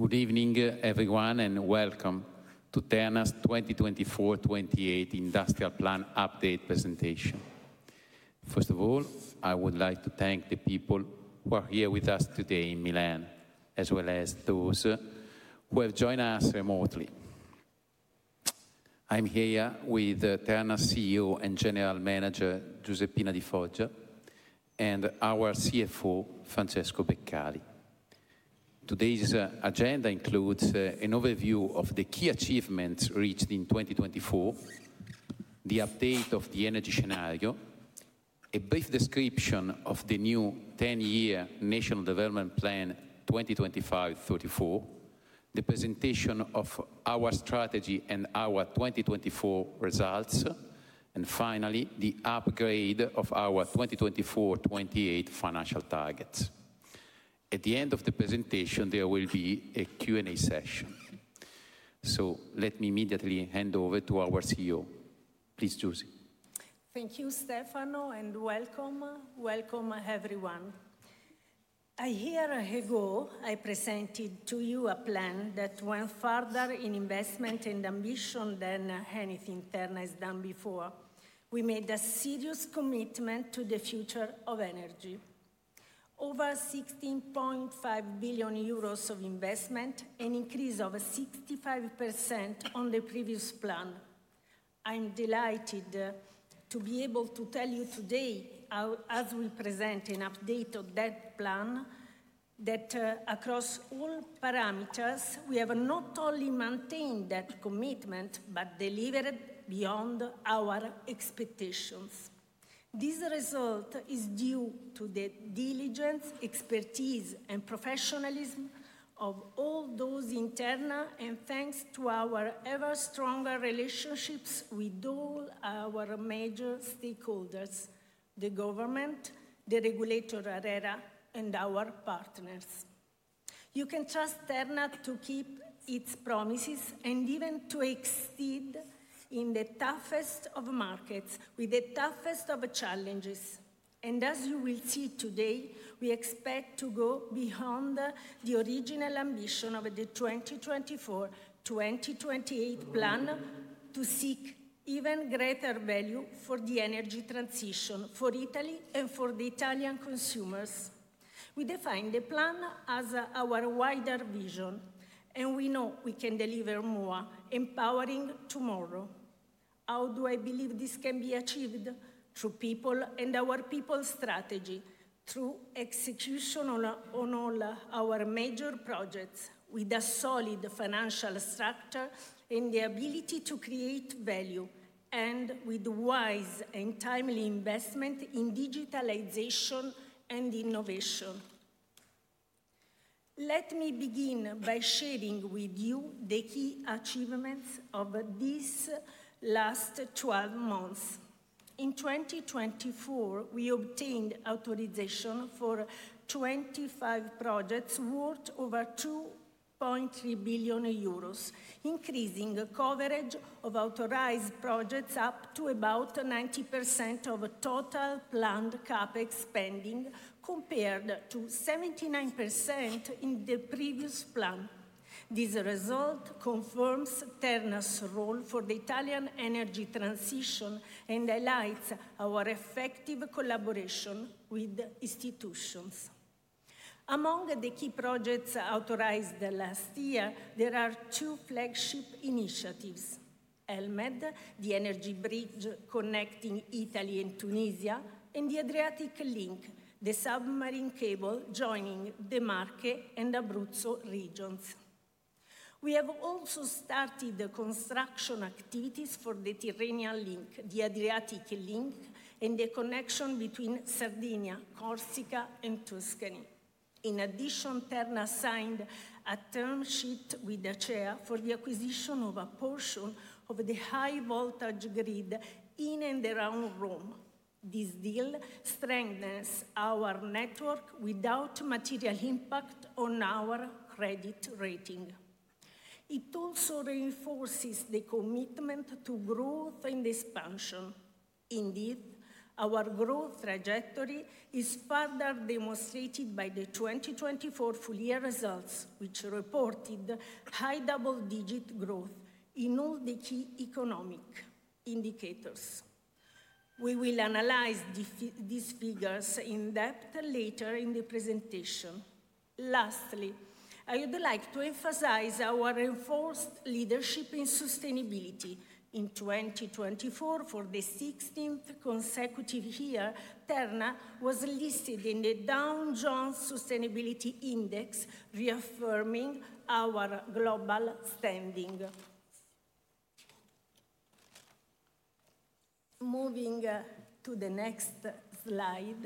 Good evening everyone and welcome to Terna's 2024-28 Industrial Plan update presentation. First of all, I would like to thank the people who are here with us today in Milan, as well as those who have joined us remotely. I'm here with Terna CEO and General Manager Giuseppina Di Foggia and our CFO Francesco Beccari. Today's agenda includes an overview of the key achievements reached in 2024, the update of the energy scenario, a brief description of the new 10 year National Development Plan, 2025-34, the presentation of our strategy and our 2024 results, and finally the upgrade of our 2024-28 financial targets. At the end of the presentation there will be a Q and A session, so let me immediately hand over to our CEO, please. Thank you, Stefano, and welcome. Welcome everyone. A year ago I presented to you a plan that went further in investment and ambition than anything Terna has done before. We made a serious commitment to the future of energy. Over 16.5 billion euros of investment, an increase of 65% on the previous plan. I'm delighted to be able to tell you today, as we present an update of that plan, that across all parameters, we have not only maintained that commitment, but delivered beyond our expectations. This result is due to the diligence, expertise, and professionalism of all those in Terna and thanks to our ever stronger relationships with all our major stakeholders, the government, the regulatory authority, and our partners. You can trust Terna to keep its promises and even to exceed in the toughest of markets with the toughest of challenges. As you will see today, we expect to go beyond the original ambition of the 2024-2028 plan to seek even greater value for the energy transition for Italy and for the Italian consumers. We define the plan as our wider vision and we know we can deliver more empowering tomorrow. How do I believe this can be achieved? Through people and our people strategy, through execution on all our major projects, with a solid financial structure and the ability to create value, and with wise and timely investment in digitalization and innovation. Let me begin by sharing with you the key achievements of this last 12 months. In 2024, we obtained authorization for 25 projects worth over 2.3 billion euros, increasing coverage of authorized projects up to about 90% of total planned CapEx spending, compared to 79% in the previous plan. This result confirms Terna's role for the Italian energy transition and highlights our effective collaboration with institutions. Among the key projects authorized last year, there are two flagship, the Energy Bridge connecting Italy and Tunisia and the Adriatic Link, the submarine cable joining the Marche and Abruzzo regions. We have also started the construction activities for the Tyrrhenian Link, the Adriatic Link and the connection between Sardinia, Corsica and Tuscany. In addition, Terna signed a term sheet with the Chair for the acquisition of a portion of the high voltage grid in and around Rome. This deal strengthens our network without material impact on our credit rating. It also reinforces the commitment to growth and expansion. Indeed, our growth trajectory is further demonstrated by the 2024 full year results which reported high double digit growth in all the key economic indicators. We will analyze these figures in depth later in the presentation. Lastly, I would like to emphasize our reinforced leadership in sustainability in 2024. For the 16th consecutive year, Terna was listed in the Dow Jones Sustainability Index, reaffirming our global standing. Moving to the next slide,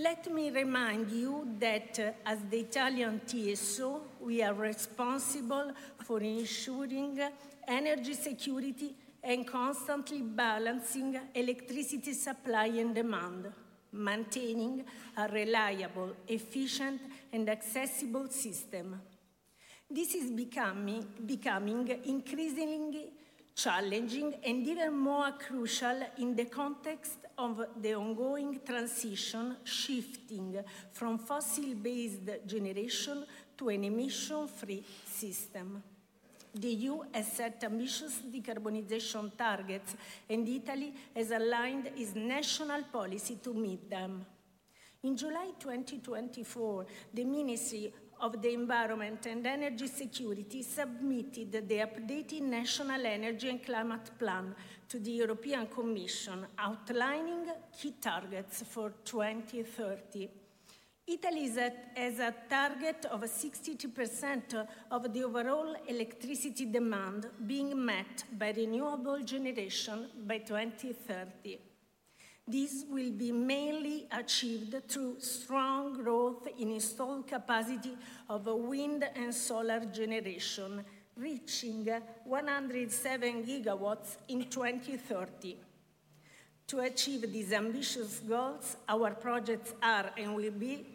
let me remind you that as the Italian TSO, we are responsible for ensuring energy security and constantly balancing electricity supply and demand, maintaining a reliable, efficient, and accessible system. This is becoming increasingly challenging and even more crucial in the context of the ongoing transition shifting from fossil-based generation to an emission-free system. The EU has set ambitious decarbonization targets and Italy has aligned its national policy to meet them. In July 2024, the Ministry of the Environment and Energy Security submitted the updated National Energy and Climate Plan to the European Commission outlining key targets for 2030. Italy has a target of 62% of the overall electricity demand being met by renewable generation globally by 2030. This will be mainly achieved through strong growth in installed capacity of wind and solar generation, reaching 107 gigawatts in 2030. To achieve these ambitious goals, our projects are and will be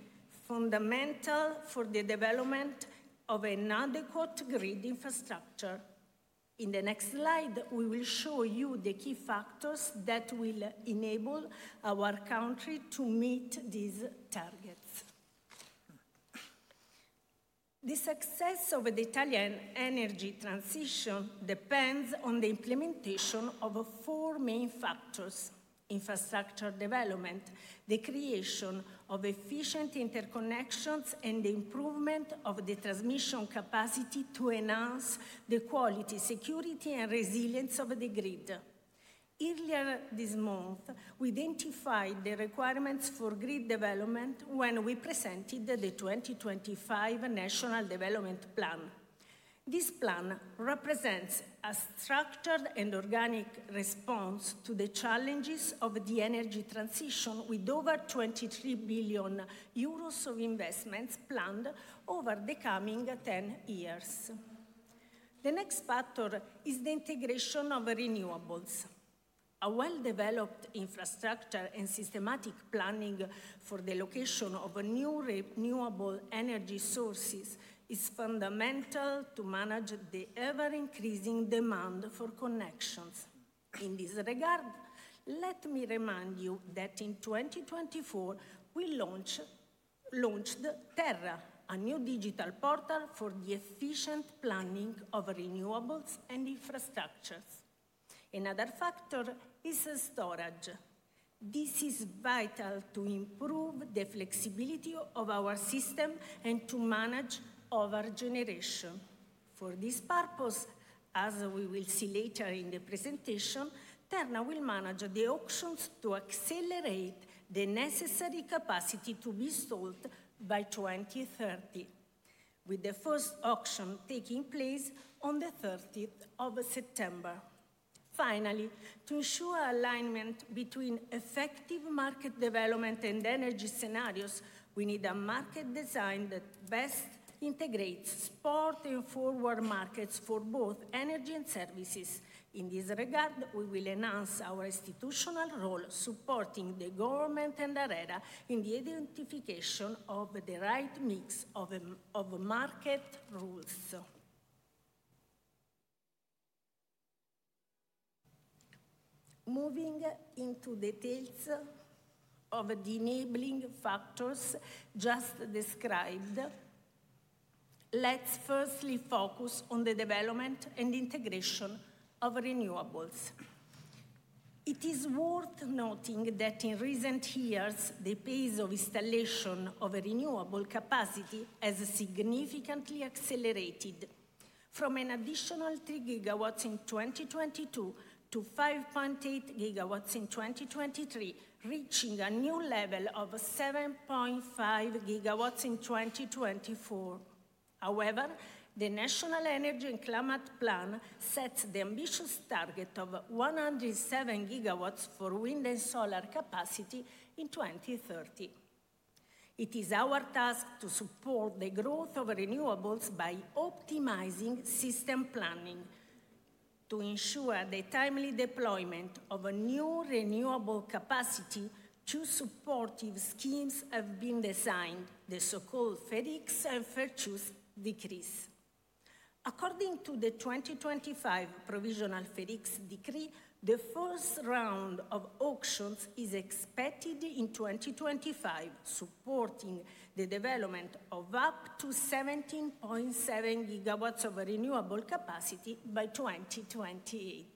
fundamental for the development of an adequate grid infrastructure. In the next slide we will show you the key factors that will enable our country to meet these targets. The success of the Italian energy transition depends on the implementation of four main infrastructure development, the creation of efficient interconnections and the improvement of the transmission capacity to enhance the quality, security and resilience of the grid. Earlier this month we identified the requirements for grid development when we presented the 2025 National Development Plan. This plan represents a structured and organic response to the challenges of the energy transition with over 23 billion euros of investment planned over the coming 10 years. The next factor is the integration of renewables, a well-developed infrastructure and systematic planning for the location of new renewable energy sources is fundamental to manage the ever-increasing demand for connections. In this regard, let me remind you that in 2024 we launched Terna, a new digital portal for the efficient planning of renewables and infrastructures. Another factor is storage. This is vital to improve the flexibility of our system and to manage odor generation. For this purpose, as we will see later in the. Presentation. Thank. Terna will manage the auctions to accelerate the necessary capacity to be sold by 2030, with the first auction taking place on 30th September. Finally, to ensure alignment between effective market development and energy scenarios, we need a market design that best integrates spot and forward markets for both energy and services. In this regard, we will announce our institutional role supporting the government and Terna in the identification of the right mix of market rules. Moving into details of the enabling factors just described, let's firstly focus on the development and integration of renewables. It is worth noting that in recent years the pace of installation of renewable capacity has significantly accelerated from an additional 3 GW in 2022 to 5.8 GW in 2023, reaching a new level of 7.5 GW in 2024. However, the National Energy and Climate Plan sets the ambitious target of 107 GW for wind and solar capacity in 2030. It is our task to support the growth of renewables by optimizing system planning to ensure the timely deployment of new renewable capacity. Two supportive schemes have been designed, the so-called FER1 and virtuous decree. According to the 2025 provisional FER1 decree, the first round of auctions is expected in 2025, supporting the development of up to 17.7 GW of renewable capacity by 2028.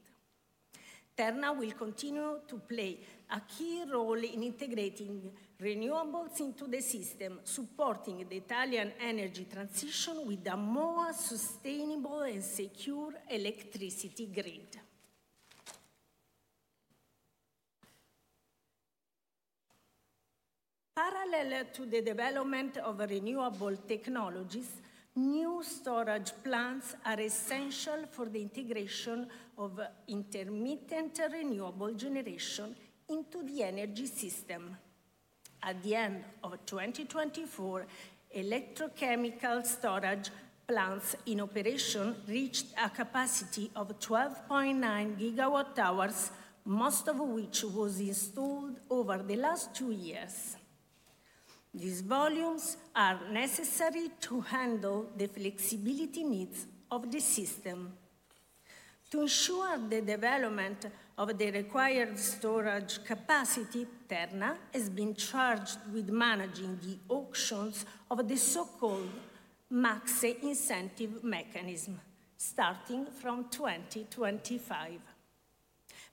Terna will continue to play a key role in integrating renewables into the system, supporting the Italian energy transition with a more sustainable and secure electricity grid. Parallel to the development of renewable technologies, new storage plants are essential for the integration of intermittent renewable generation into the energy system. At the end of 2024, electrochemical storage plants in operation reached a capacity of 12.9 GWh, most of which was installed over the last two years. These volumes are necessary to handle the flexibility needs of the system to ensure the development of the required storage capacity. Terna has been charged with managing the auctions of the so-called maxi incentive mechanism starting from 2025.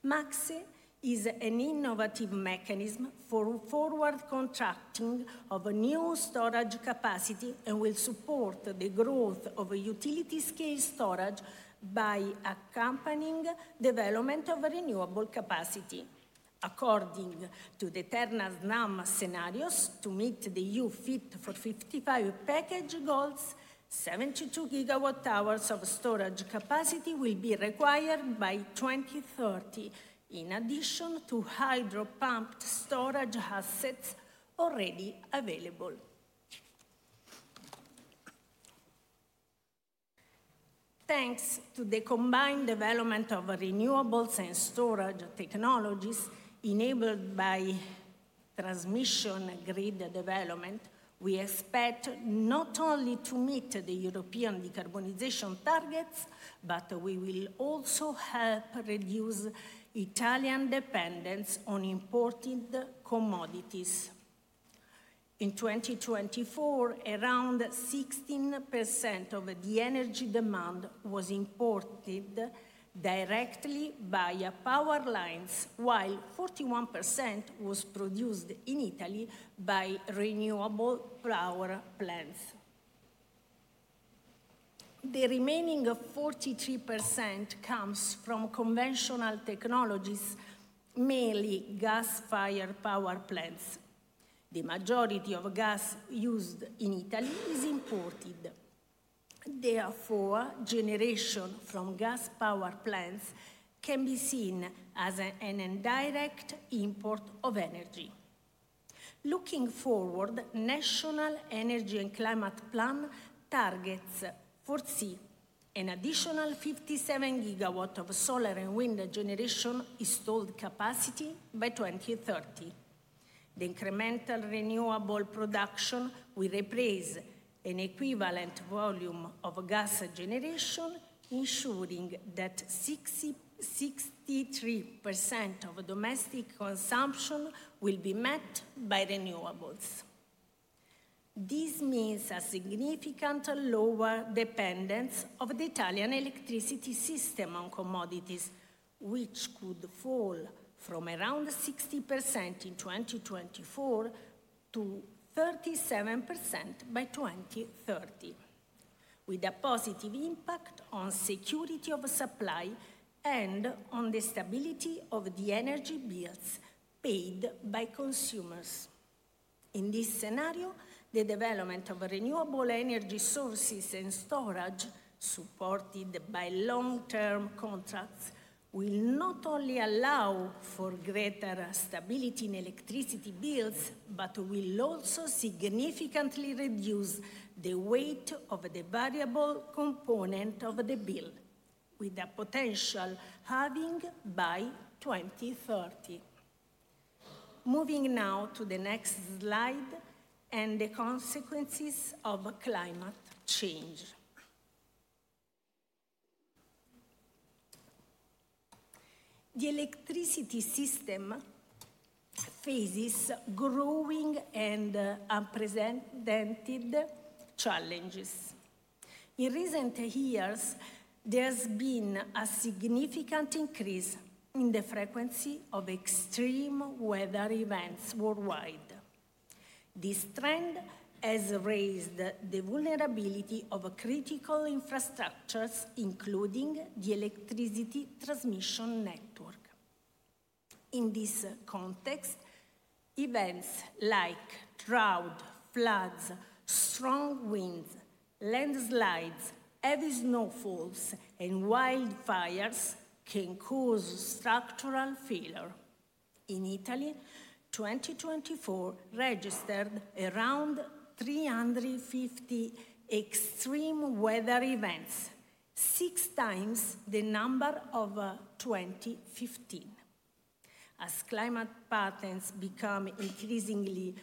Maxi is an innovative mechanism for forward contracting of new storage capacity and will support the growth of utility schemes. Storage by accompanying development of renewable capacity. According to the Terna NAM scenarios, to meet the EU Fit for 55 package goals, 72 GWh of storage capacity will be required by 2030 in addition to hydro pumped storage assets already available. Thanks to the combined development of renewables and storage technologies enabled by transmission grid development, we expect not only to meet the European decarbonization targets, but we will also help reduce Italian dependence on imported commodities. In 2024, around 16% of the energy demand was imported directly by power lines, while 41% was produced in Italy by renewable power plants. The remaining 43% comes from conventional technologies, mainly gas fired power plants. The majority of gas used in Italy is imported. Therefore, generation from gas power plants can be seen as an indirect import of energy. Looking forward, National Energy and Climate plan targets foresee an additional 57 GW of solar and wind generation installed capacity by 2030. The incremental renewable production will replace an equivalent volume of gas generation, ensuring that 63% of domestic consumption will be met by renewables. This means a significant lower dependence of the Italian electricity system among commodities, which could fall from around 60% in 2024 to 37% by 2030, with a positive impact on security of supply and on the stability of the energy bills paid by consumers. In this scenario, the development of renewable energy sources and storage supported by long term contracts will not only allow for greater stability in electricity bills, but will also significantly reduce the weight of the variable component of the bill, with a potential halving by 2030. Moving now to the next slide and the consequences of climate. Change. The electricity system faces growing and unprecedented challenges. In recent years, there's been a significant increase in the frequency of extreme weather events worldwide. This trend has raised the vulnerability of critical infrastructures, including the electricity transmission network. In this context, events like drought, floods, strong winds, landslides, heavy snowfalls and wildfires can cause structural failure. In Italy, 2024 registered around 350 extreme weather events, six times the number of 2015. As climate patterns become increasingly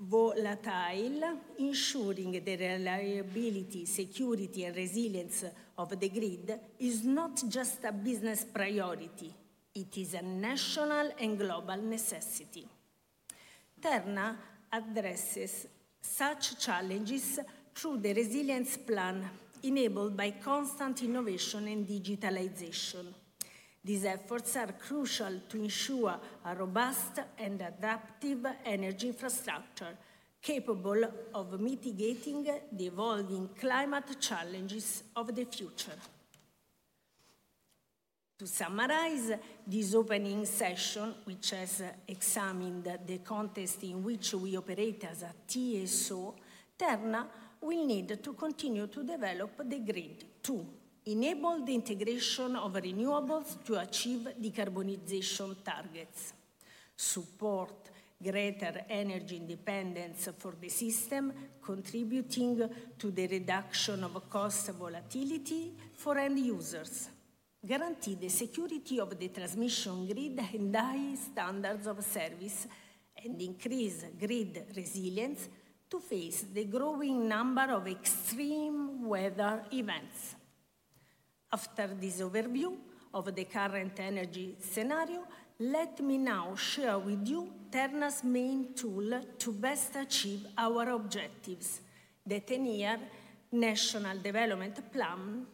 volatile, ensuring the reliability, security and resilience of the grid is not just a business priority, it is a national and global necessity. Terna addresses such challenges through the Resilience Plan. Enabled by constant innovation and digitalization, these efforts are crucial to ensure a robust and adaptive energy infrastructure capable of mitigating the evolving climate challenges of the future. To summarize this opening session, which has examined the context in which we operate as a TSO, Terna will need to continue to develop the grid to enable the integration of renewables to achieve decarbonization targets, support greater energy independence for the system, contributing to the reduction of cost volatility for end users, guarantee the security of the transmission grid and high standards of service, and increase grid resilience to face the growing number of extreme weather events. After this overview of the current energy scenario, let me now share with you Terna's main tool to best achieve our objectives, the ten year National Development Plan.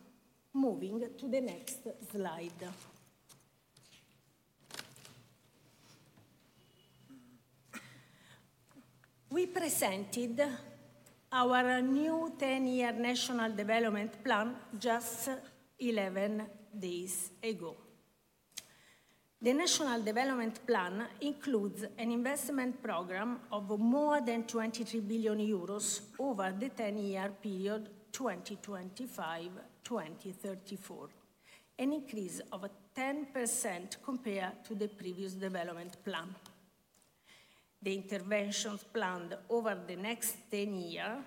Moving to the next slide, we presented our new 10 year National Development Plan just 11 days ago. The National Development Plan includes an investment program of more than 23 billion euros over the 10-year period 2025-2034, an increase of 10% compared to the previous development plan. The interventions planned over the next 10 years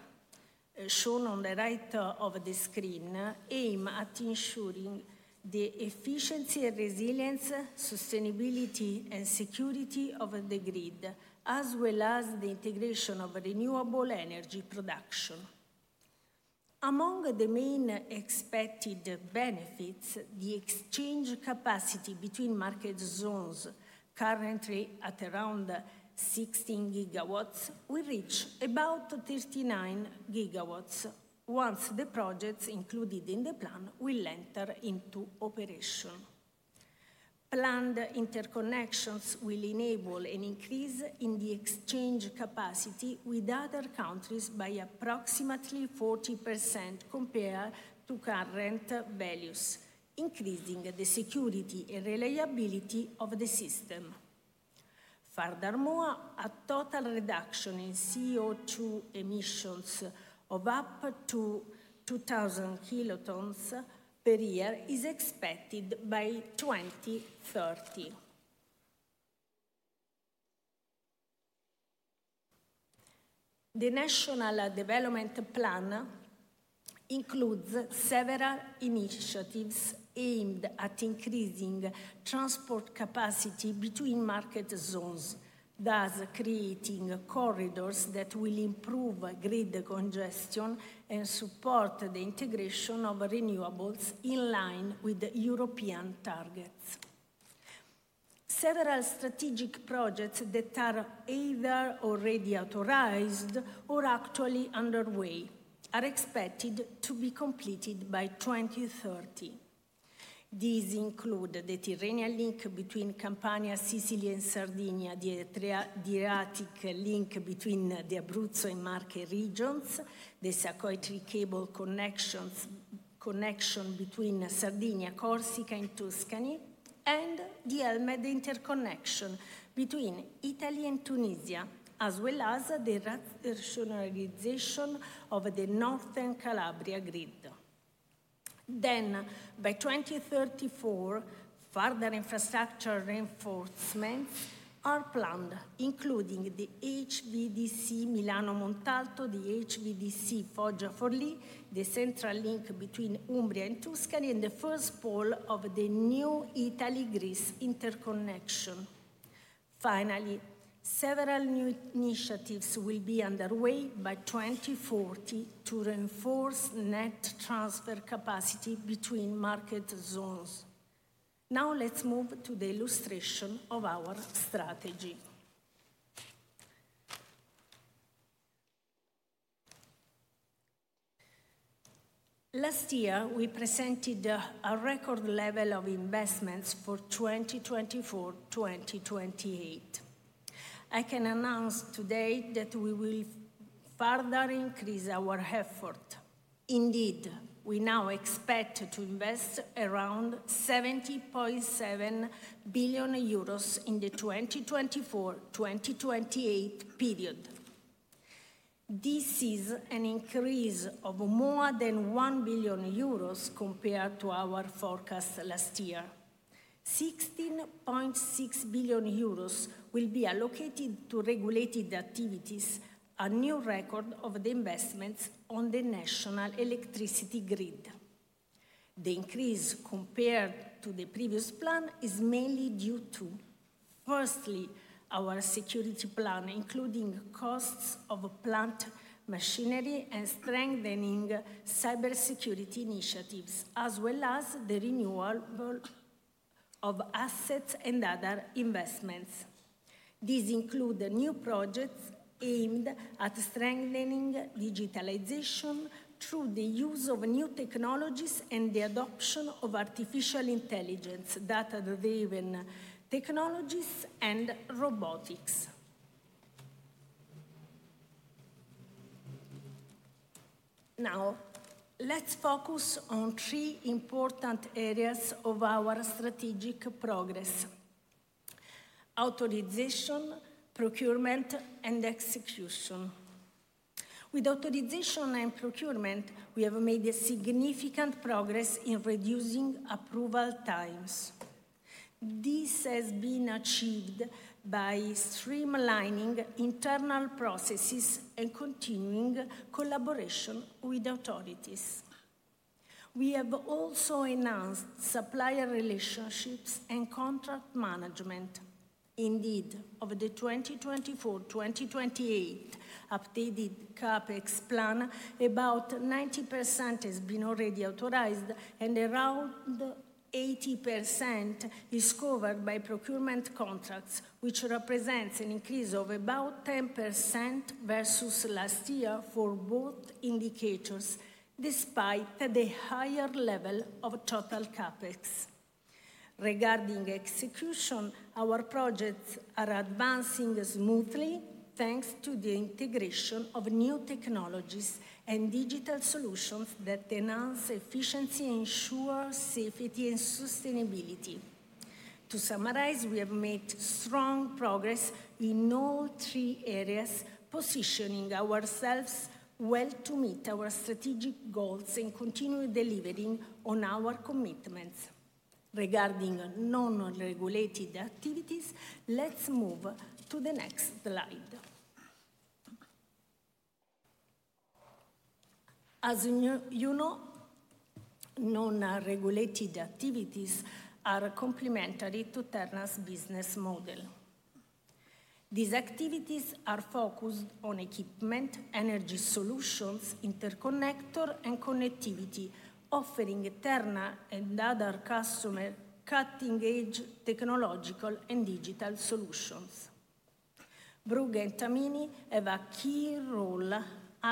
shown on the right of the screen aim at ensuring the efficiency, resilience, sustainability, and security of the grid, as well as the integration of renewable energy production. Among the main expected benefits, the exchange capacity between market zones, currently at around 16 GW, will reach about 39 gigawatts once the projects included in the plan will enter into operation. Planned interconnections will enable an increase in the exchange capacity with other countries by approximately 40% compared to current values, increasing the security and reliability of the system. Furthermore, a total reduction in CO2 emissions of up to 2,000 kt per year is expected by 2030. The National Development Plan includes several initiatives aimed at increasing transport capacity between market zones, thus creating corridors that will improve grid congestion and support the integration of renewables in line with European targets. Several strategic projects that are either already authorized or actually underway are expected to be completed by 2030. These include the Tyrrhenian Link between Campania, Sicily and Sardinia, the Adriatic Link between the Abruzzo and Marche regions, the Sardinia-Corsica-Tuscany cable connection between Sardinia, Corsica and Tuscany, and the Energy Bridge interconnection between Italy and Tunisia, as well as the rationalization of the northern Calabria grid. By 2034, further infrastructure reinforcements are planned, including the HVDC Milano Montalto, the HVDC Foggia Forli, the central link between Umbria and Tuscany, and the first pole of the new Italy-Greece Interconnection. Finally, several new initiatives will be underway by 2040 to reinforce net transfer capacity between market zones. Now let's move to the illustration of our strategy. Last year we presented a record level of investments for 2024-2028. I can announce today that we will further increase our effort to. Indeed, we now expect to invest around 7.7 billion euros in the 2024-2028 period. This is an increase of more than 1 billion euros compared to our forecast last year. 16.6 billion euros will be allocated to regulated activities. A new record of the investments on the national electricity grid. The increase compared to the previous plan is mainly due to firstly our security plan, including costs of plant machinery and strengthening cybersecurity initiatives, as well as the renewal of assets and other investments. These include new projects aimed at strengthening digitalization through the use of new technologies and the adoption of artificial intelligence, data-driven technologies and robotics. Now let's focus on three important areas of our strategic progress: authorization, procurement, and execution. With authorization and procurement, we have made significant progress in reducing approval times. This has been achieved by streamlining internal processes and continuing collaboration with authorities. We have also announced supplier relationships and contract management. Indeed, over the 2024-2028 updated CAPEX plan, about 90% has been already authorized and around 80% is covered by procurement contracts, which represents an increase of about 10% versus last year for both indicators. Despite the higher level of total CapEx regarding execution, our projects are advancing smoothly thanks to the integration of new technologies and digital solutions that enhance efficiency, ensure safety, and sustainability. To summarize, we have made strong progress in all three areas, positioning ourselves well to meet our strategic goals and continue delivering on our commitments. Regarding non regulated activities, let's move to the next slide. As you know, non regulated activities are complementary to Terna's business model. These activities are focused on equipment, energy solutions, interconnector and connectivity, offering Terna and other customers cutting edge technological and digital solutions. Brugg and Tamini have a key role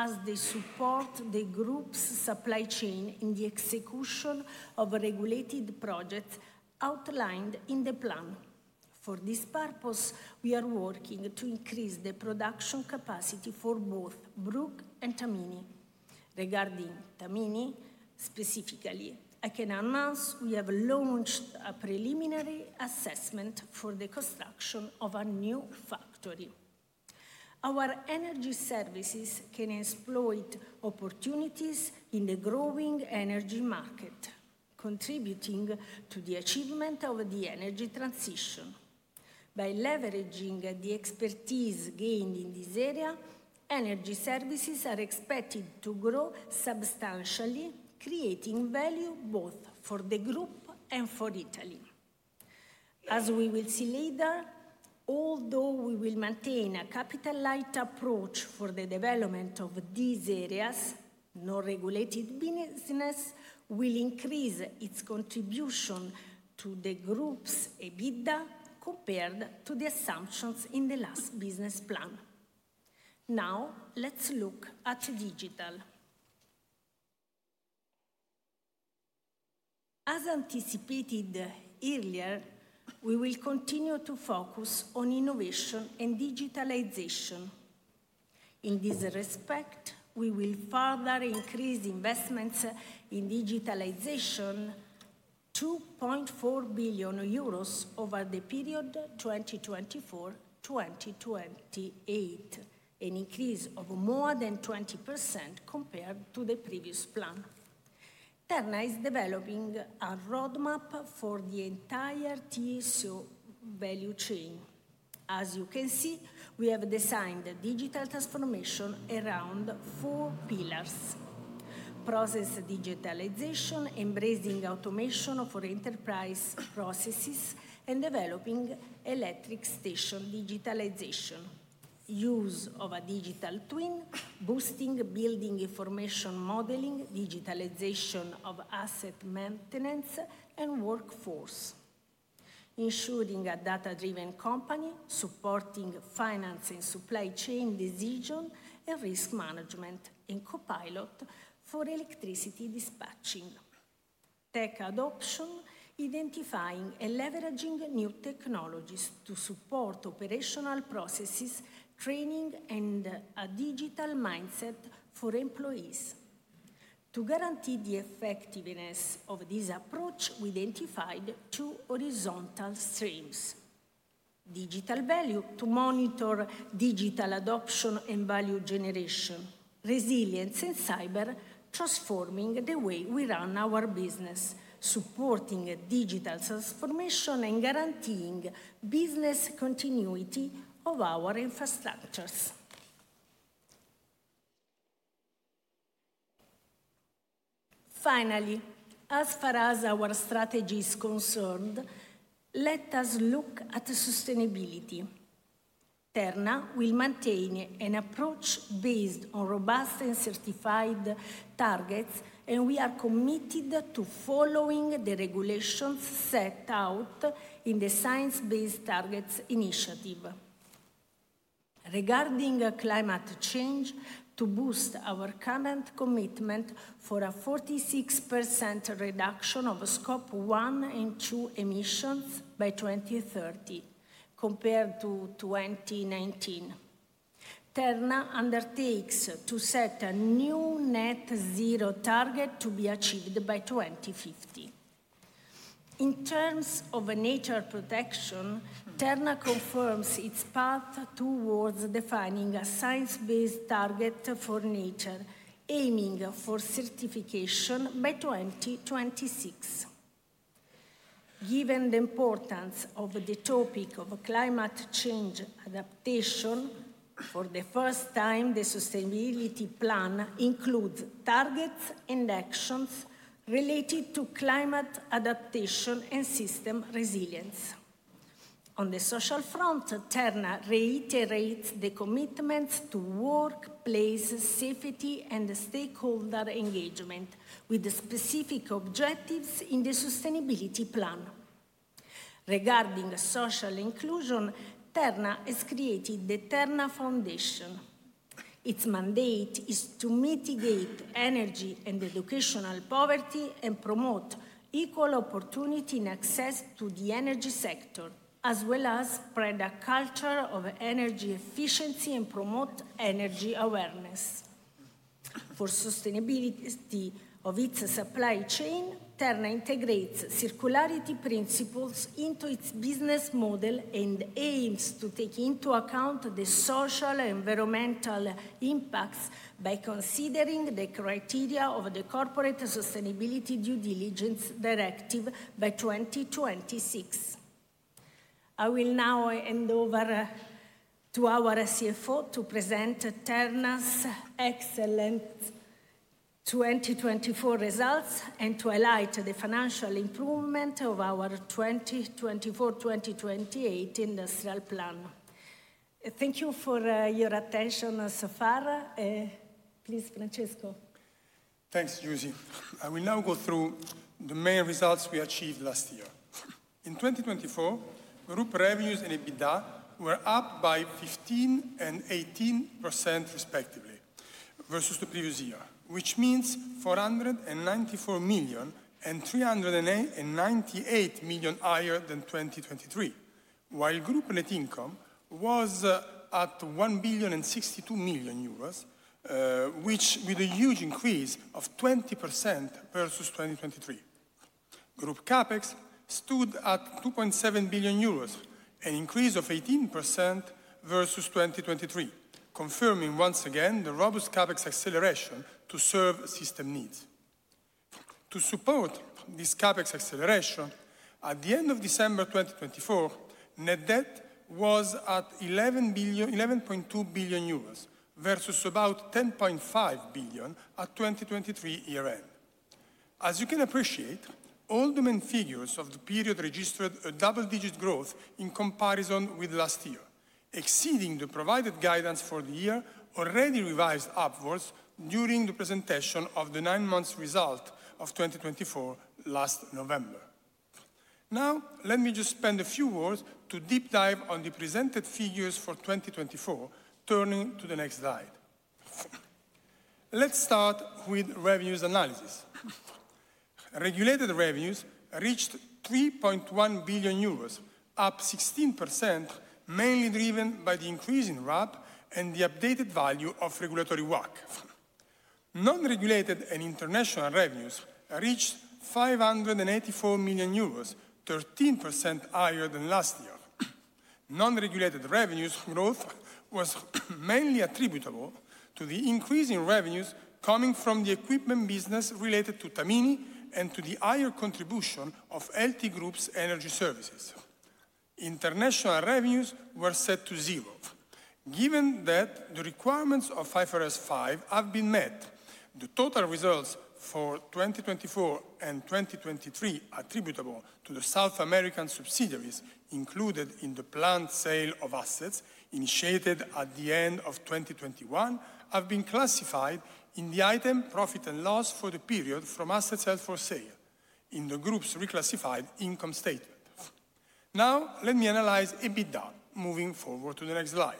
as they support the Group's supply chain in the execution of regulated projects outlined in the plan. For this purpose, we are working to increase the production capacity for both Brugg and Tamini. Regarding Tamini, specifically, I can announce we have launched a preliminary assessment for the construction of a new factory. Our energy services can exploit opportunities in the growing energy market, contributing to the achievement of the energy transition. By leveraging the expertise gained in this area, energy services are expected to grow substantially, creating value both for the Group and for Italy. As we will see later. Although we will maintain a capital light approach for the development of these areas, non regulated business will increase its contribution to the Group's EBITDA compared to the assumptions in the last business plan. Now let's look at digital. As anticipated earlier, we will continue to focus on innovation and digitalization. In this respect, we will further increase investments in digitalization 2.4 billion euros over the period 2024-2028, an increase of more than 20% compared to the previous plan. Terna is developing a roadmap for the entire TSO value chain. As you can see, we have designed digital transformation around four process digitalization, embracing automation for enterprise processes and developing electric station digitalization, use of a digital twin, boosting building information modeling, digitalization of asset maintenance and workforce, ensuring a data driven company supporting finance and supply chain decision and risk management in copilot for electricity dispatching, tech adoption, identifying and leveraging new technologies to support operational processes, training and a digital mindset for employees. To guarantee the effectiveness of this approach, we identified two horizontal streams: digital value to monitor digital adoption and value generation, resilience and cyber transforming the way we run our business, supporting digital transformation and guaranteeing business continuity of our infrastructures. Finally, as far as our strategy is concerned, let us look at sustainability. Terna will maintain an approach based on robust and certified targets and we are committed to following the regulations set out in the Science Based Targets Initiative regarding climate change to boost our current commitment for a 46% reduction of scope 1 and 2 emissions by 2030 compared to 2019. Terna undertakes to set a new net zero target to be achieved by 2050. In terms of nature protection, Terna confirms its path towards defining a science based target for nature, aiming for certification by 2026. Given the importance of the topic of climate change adaptation, for the first time, the Sustainability Plan includes targets and actions related to climate adaptation and system resilience. On the social front, Terna reiterates the commitments to workplace safety and stability, stakeholder engagement with specific objectives in the Sustainability Plan. Regarding social inclusion, Terna has created the Terna Foundation. Its mandate is to mitigate energy and educational poverty and promote equal opportunity and access to the energy sector as well as spread a culture of energy efficiency and promote energy awareness for sustainability of its supply chain. Terna integrates circularity principles into its business model and aims to take into account the social environmental impacts by considering the criteria of the Corporate Sustainability Due Diligence Directive by 2026. I will now hand over to our CFO to present Terna's excellent 2024 results and to highlight the financial improvement of our 2024-2028 industrial plan. Thank you for your attention so far. Please Francesco Thanks. Giusi. I will now go through the main results we achieved last year. In 2024 group revenues and EBITDA were up by 15% and 18% respectively versus the previous year, which means 494 million and 398 million higher than 2023. While group net income was at 1 billion 62 million, which with a huge increase of 20% versus 2023, group CapEx stood at 2.7 billion euros, an increase of 18% versus 2023, confirming once again the robust CapEx acceleration to serve system needs. To support this CapEx acceleration, at the end of December 2024 net debt was at 11.2 billion euros versus about 10.5 billion at 2023 year end. As you can appreciate all the main figures of the period registered a double-digit growth in comparison with last year, exceeding the provided guidance for the year already revised upwards during the presentation of the nine months result of 2024 last November. Now let me just spend a few words to deep dive on the presented figures for 2024. Turning to the next slide, let's start with revenues analysis. Regulated revenues reached 3.1 billion euros, up 16%, mainly driven by the increase in RAP and the updated value of regulatory WACC. Non regulated and international revenues reached 584 million euros, 13% higher than last year. Non regulated revenues growth was mainly attributable to the increase in revenues coming from the equipment business related to Tamini and to the higher contribution of LT Group's energy services. International revenues were set to zero given that the requirements of IFRS five have been met. The total results for 2024 and 2023 attributable to the South American subsidiaries included in the planned sale of assets initiated at the end of 2021 have been classified in the item Profit and loss for the period from assets held for sale in the group's reclassified income statement. Now let me analyze EBITDA moving forward to the next slide.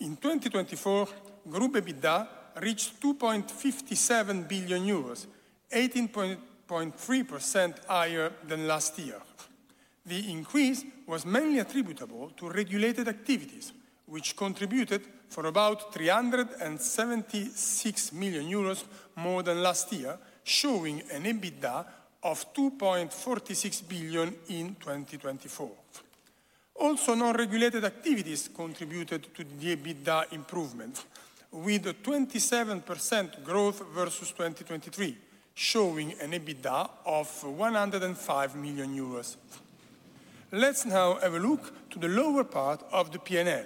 In 2024 group EBITDA reached 2.57 billion euros, 18.3% higher than last year. The increase was mainly attributable to regulated activities which contributed for about 376 million euros more than last year, showing an EBITDA of 2.46 billion in 2024. Also, non regulated activities contributed to the EBITDA improvement with 27% growth versus 2023, showing an EBITDA of 105 million euros. Let's now have a look to the lower part of the P and L.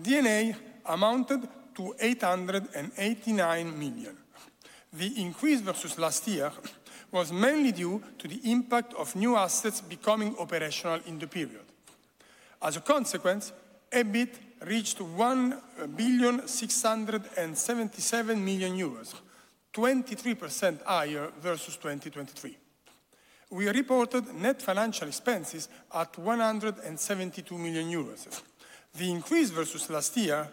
DNA amounted to 889 million. The increase versus last year was mainly due to the impact of new assets becoming operational in the period. As a consequence, EBIT reached 1,677,000,000 euros, 23% higher versus 2023. We reported net financial expenses at 172,000,000 euros. The increase versus last year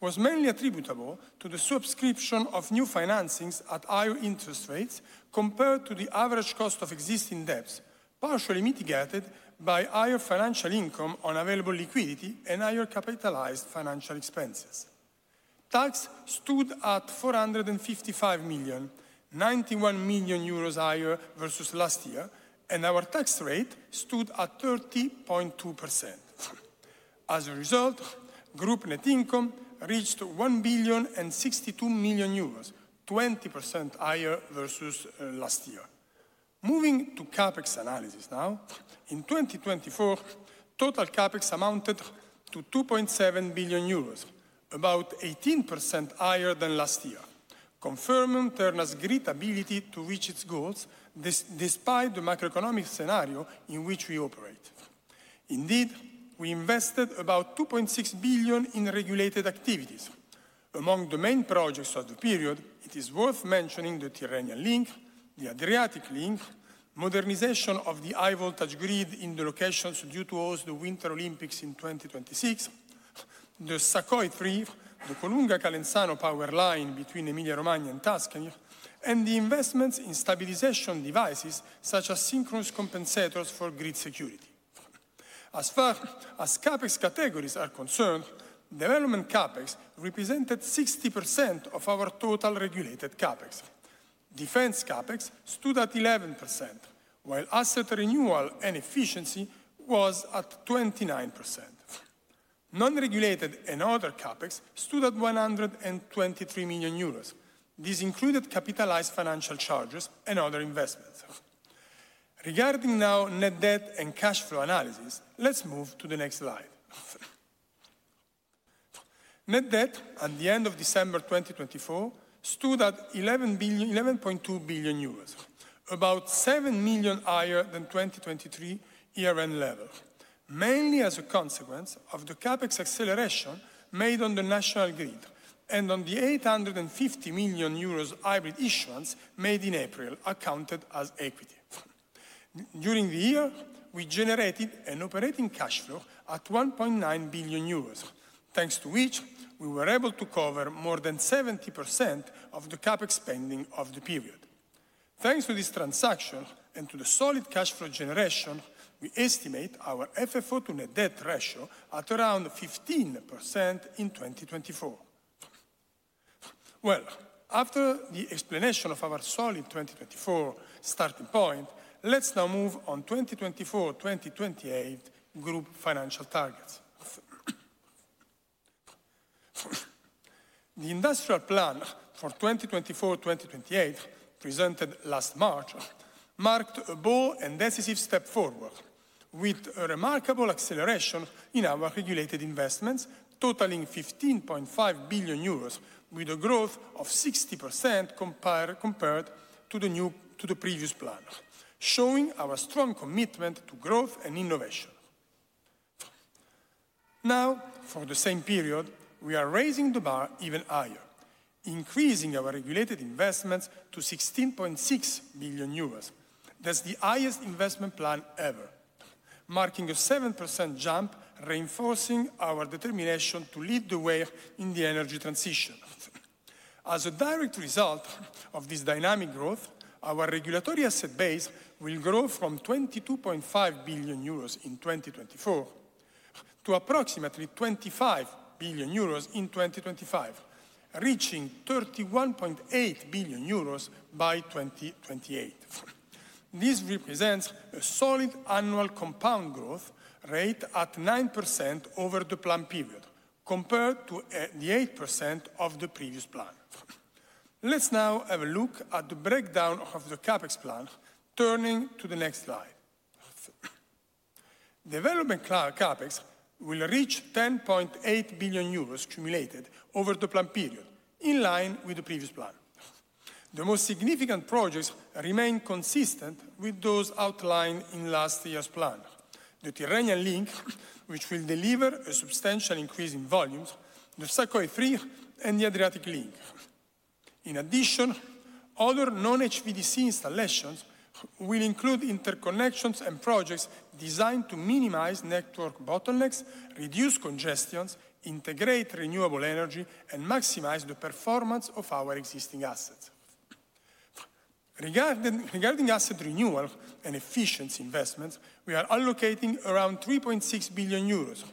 was mainly attributable to the subscription of new financings at higher interest rates compared to the average cost of existing debts, partially mitigated by higher financial income on available liquidity and higher capitalized financial expenses. Tax stood at 455 million, 91 million euros higher versus last year, and our tax rate stood at 30.2%. As a result, group net income reached 1 billion 62 million, 20% higher versus last year. Moving to CapEx analysis now, in 2024, total CapEx amounted to 2.7 billion euros, about 18% higher than last year, confirming Terna's great ability to reach its goals despite the macroeconomic scenario in which we operate. Indeed, we invested about 2.6 billion in regulated activities. Among the main projects of the period, it is worth mentioning the Tyrrhenian Link, the Adriatic Link, modernization of the high voltage grid in the locations due to the Winter Olympics in 2026, the Sakhoi Trif, the Colunga-Calenzano power line between Emilia-Romagna and Tuscany, and the investments in stabilization devices such as synchronous compensators for grid security. As far as CapEx categories are concerned, development CAPEX represented 60% of our total regulated CapEx. Defence CapEx stood at 11% while asset renewal and efficiency was at 29%. Non regulated and other CapEx stood at 123 million euros. This included capitalized financial charges and other investments. Regarding now net debt and cash flow analysis, let's move to the next slide. Net debt at the end of December 2024 stood at 11.2 billion euros, about 7 million higher than 2023 year end level. Mainly as a consequence of the CapEx acceleration made on the national grid and on the 850 million euros hybrid issuance made in April accounted as equity. During the year we generated an operating cash flow at 1.9 billion euros, thanks to which we were able to cover more than 70% of the CapEx spending of the period. Thanks to this transaction and to the solid cash flow generation, we estimate our FFO to net debt ratio at around 15% in 2024. After the explanation of our solid 2024 starting point, let's now move on to the 2024-2028 group financial targets. The Industrial Plan for 2024-2028 presented last March marked a bold and decisive step forward with a remarkable acceleration in our regulated investments totaling 15.5 billion euros, with a growth of 60% compared to the previous plan, showing our strong commitment to growth and innovation. Now, for the same period, we are raising the bar even higher, increasing our regulated investments to 16.6 billion euros. That's the highest investment plan ever, marking a 7% jump, reinforcing our determination to lead the way in the energy transition. As a direct result of this dynamic growth, our regulatory asset base will grow from 22.5 billion euros in 2024 to approximately 25 billion euros in 2025 and reaching 31.8 billion euros by 2028. This represents a solid annual compound growth rate at 9% over the plan period compared to the 8% of the previous plan. Let's now have a look at the breakdown of the CapEx plan. Turning to the next slide, Development Cloud CapEx will reach 10.8 billion euros accumulated over the plan period, in line with the previous plan. The most significant projects remain consistent with those outlined in last year's plan: the Tyrrhenian Link, which will deliver a substantial increase in volumes, the Sukhoi three, and the Adriatic Link. In addition, other non-HVDC installations will include interconnections and projects designed to minimize network bottlenecks, reduce congestions, integrate renewable energy, and maximize the performance of our existing assets. Regarding asset renewal and efficiency investments, we are allocating around 3.6 billion euros.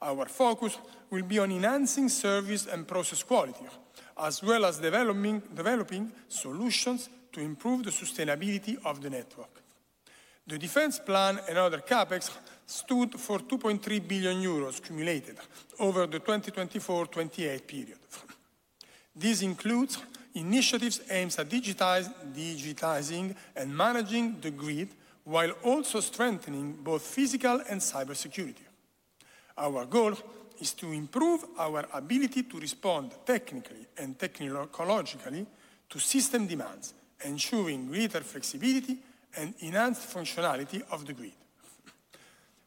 Our focus will be on enhancing service and process quality as well as developing solutions to improve the sustainability of the network. The Defence Plan and other CapEx stood for 2.3 billion euros accumulated over the 2024-2028 period. This includes initiatives aimed at digitizing and managing the grid while also strengthening both physical and cybersecurity. Our goal is to improve our ability to respond technically and technologically to system demands, ensuring greater flexibility and enhanced functionality of the grid.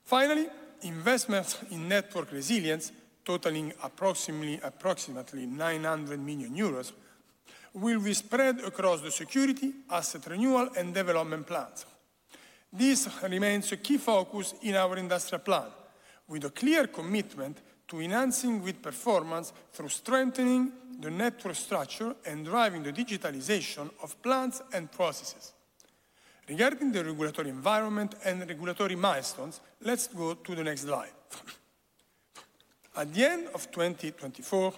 Finally, investments in network resilience totaling approximately 900 million euros will be spread across the security, asset renewal and development plans. This remains a key focus in our Industrial Plan with a clear commitment to enhancing grid performance through strengthening the network structure and driving the digitalization of plants and processes. Regarding the regulatory environment and regulatory milestones, let's go to the next slide at the end of 2024.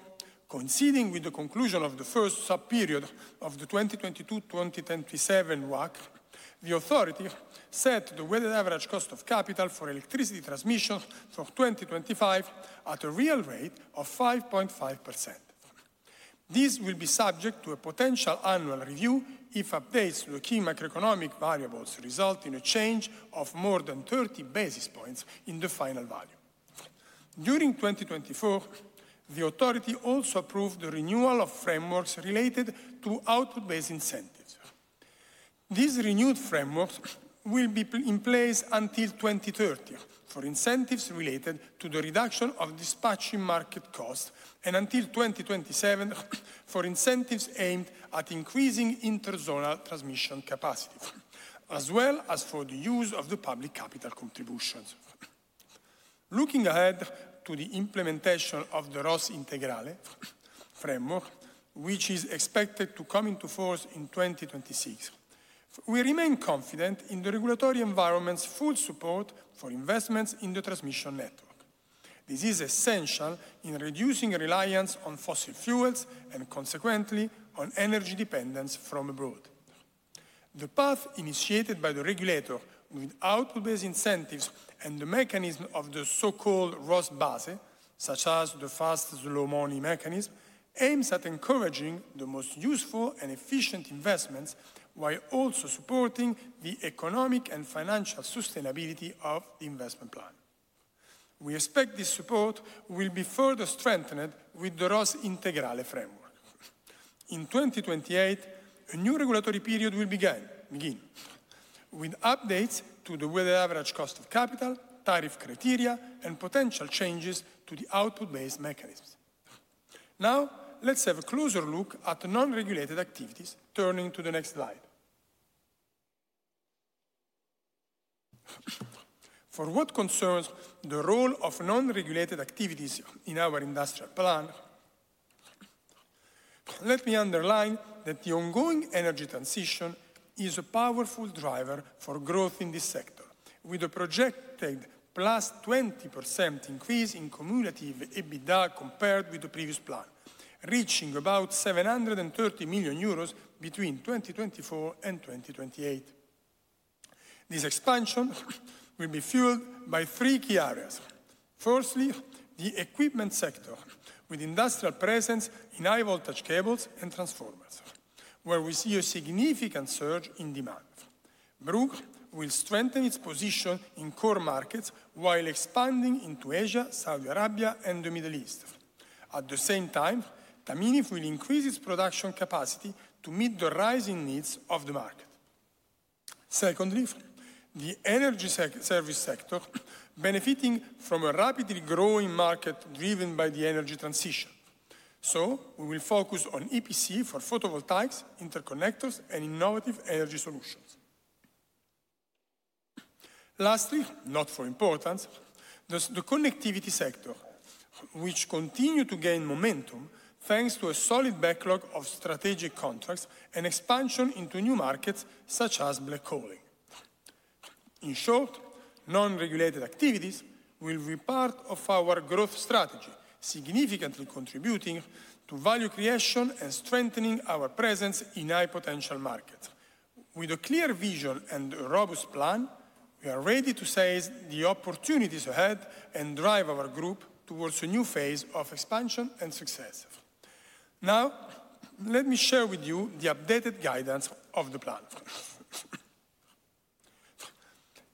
Coinciding with the conclusion of the first sub period of the 2022-2027 WACC, the authority set the weighted average cost of capital for electricity transmission for 2025 at a real rate of 5.5%. This will be subject to a potential annual review if updates to the key macroeconomic variables result in a change of more than 30 basis points in the final value during 2024. The authority also approved the renewal of frameworks related to output based incentives. These renewed frameworks will be in place until 2030 for incentives related to the reduction of dispatching market cost and until 2027 for incentives aimed at increasing interzonal transmission capacity as well as for the use of the public capital contributions. Looking ahead to the implementation of the ROS Integrale framework, which is expected to come into force in 2026, we remain confident in the regulatory environment's full support for investments in the transmission network. This is essential in reducing reliance on fossil fuels and consequently on energy dependence from abroad. The path initiated by the regulator with output based incentives and the mechanism of the so called ROS base, such as the Fast Slow Money Mechanism, aims at encouraging the most useful and efficient investments while also supporting the economic and financial sustainability of the investment plan. We expect this support will be further strengthened with the ROS Integrale framework. In 2028, a new regulatory period will begin with updates to the weighted average cost of capital tariff criteria and potential changes to the output based mechanisms. Now let's have a closer look at non regulated activities. Turning to the next slide, for what concerns the role of non regulated activities in our industrial plan, let me underline that the ongoing energy transition is a powerful driver for growth in this sector. With a projected 20% increase in cumulative EBITDA compared with the previous plan, reaching about 730 million euros between 2024 and 2028. This expansion will be fueled by three key areas. Firstly, the equipment sector with industrial presence in high voltage cables and transformers, where we see a significant surge in demand. Brugg will strengthen its position in core markets while expanding into Asia, Saudi Arabia and the Middle East. At the same time, Tamini will increase its production capacity to meet the rising needs of the market. Secondly, the energy service sector, benefiting from a rapidly growing market driven by the energy transition. We will focus on EPC for photovoltaics, interconnectors and innovative energy solutions. Lastly, not for importance, the connectivity sector, which continues to gain momentum thanks to a solid backlog of strategic contracts and expansion into new markets such as black coaling. In short, non regulated activities will be part of our growth strategy, significantly contributing to value creation and strengthening our presence in high potential markets. With a clear vision and robust plan, we are ready to seize the opportunities ahead and drive our group towards a new phase of expansion and success. Now let me share with you the updated guidance of the plan.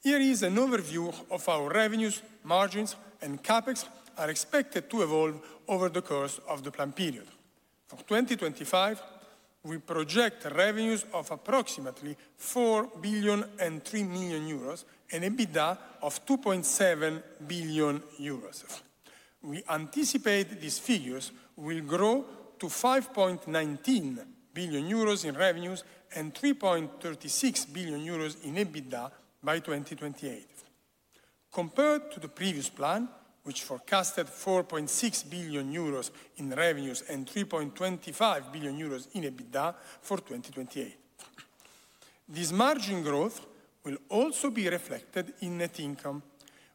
Here is an overview of how our revenues, margins and CapEx are expected to evolve over the course of the plan period. For 2025, we project revenues of approximately 4,003,000,000 euros and EBITDA of 2,700,000,000 euros. We anticipate these figures will grow to 5.19 billion euros in revenues and 3.36 billion euros in EBITDA by 2028 compared to the previous plan which forecasted 4.6 billion euros in revenues and 3.25 billion euros in EBITDA for 2028. This margin growth will also be reflected in net income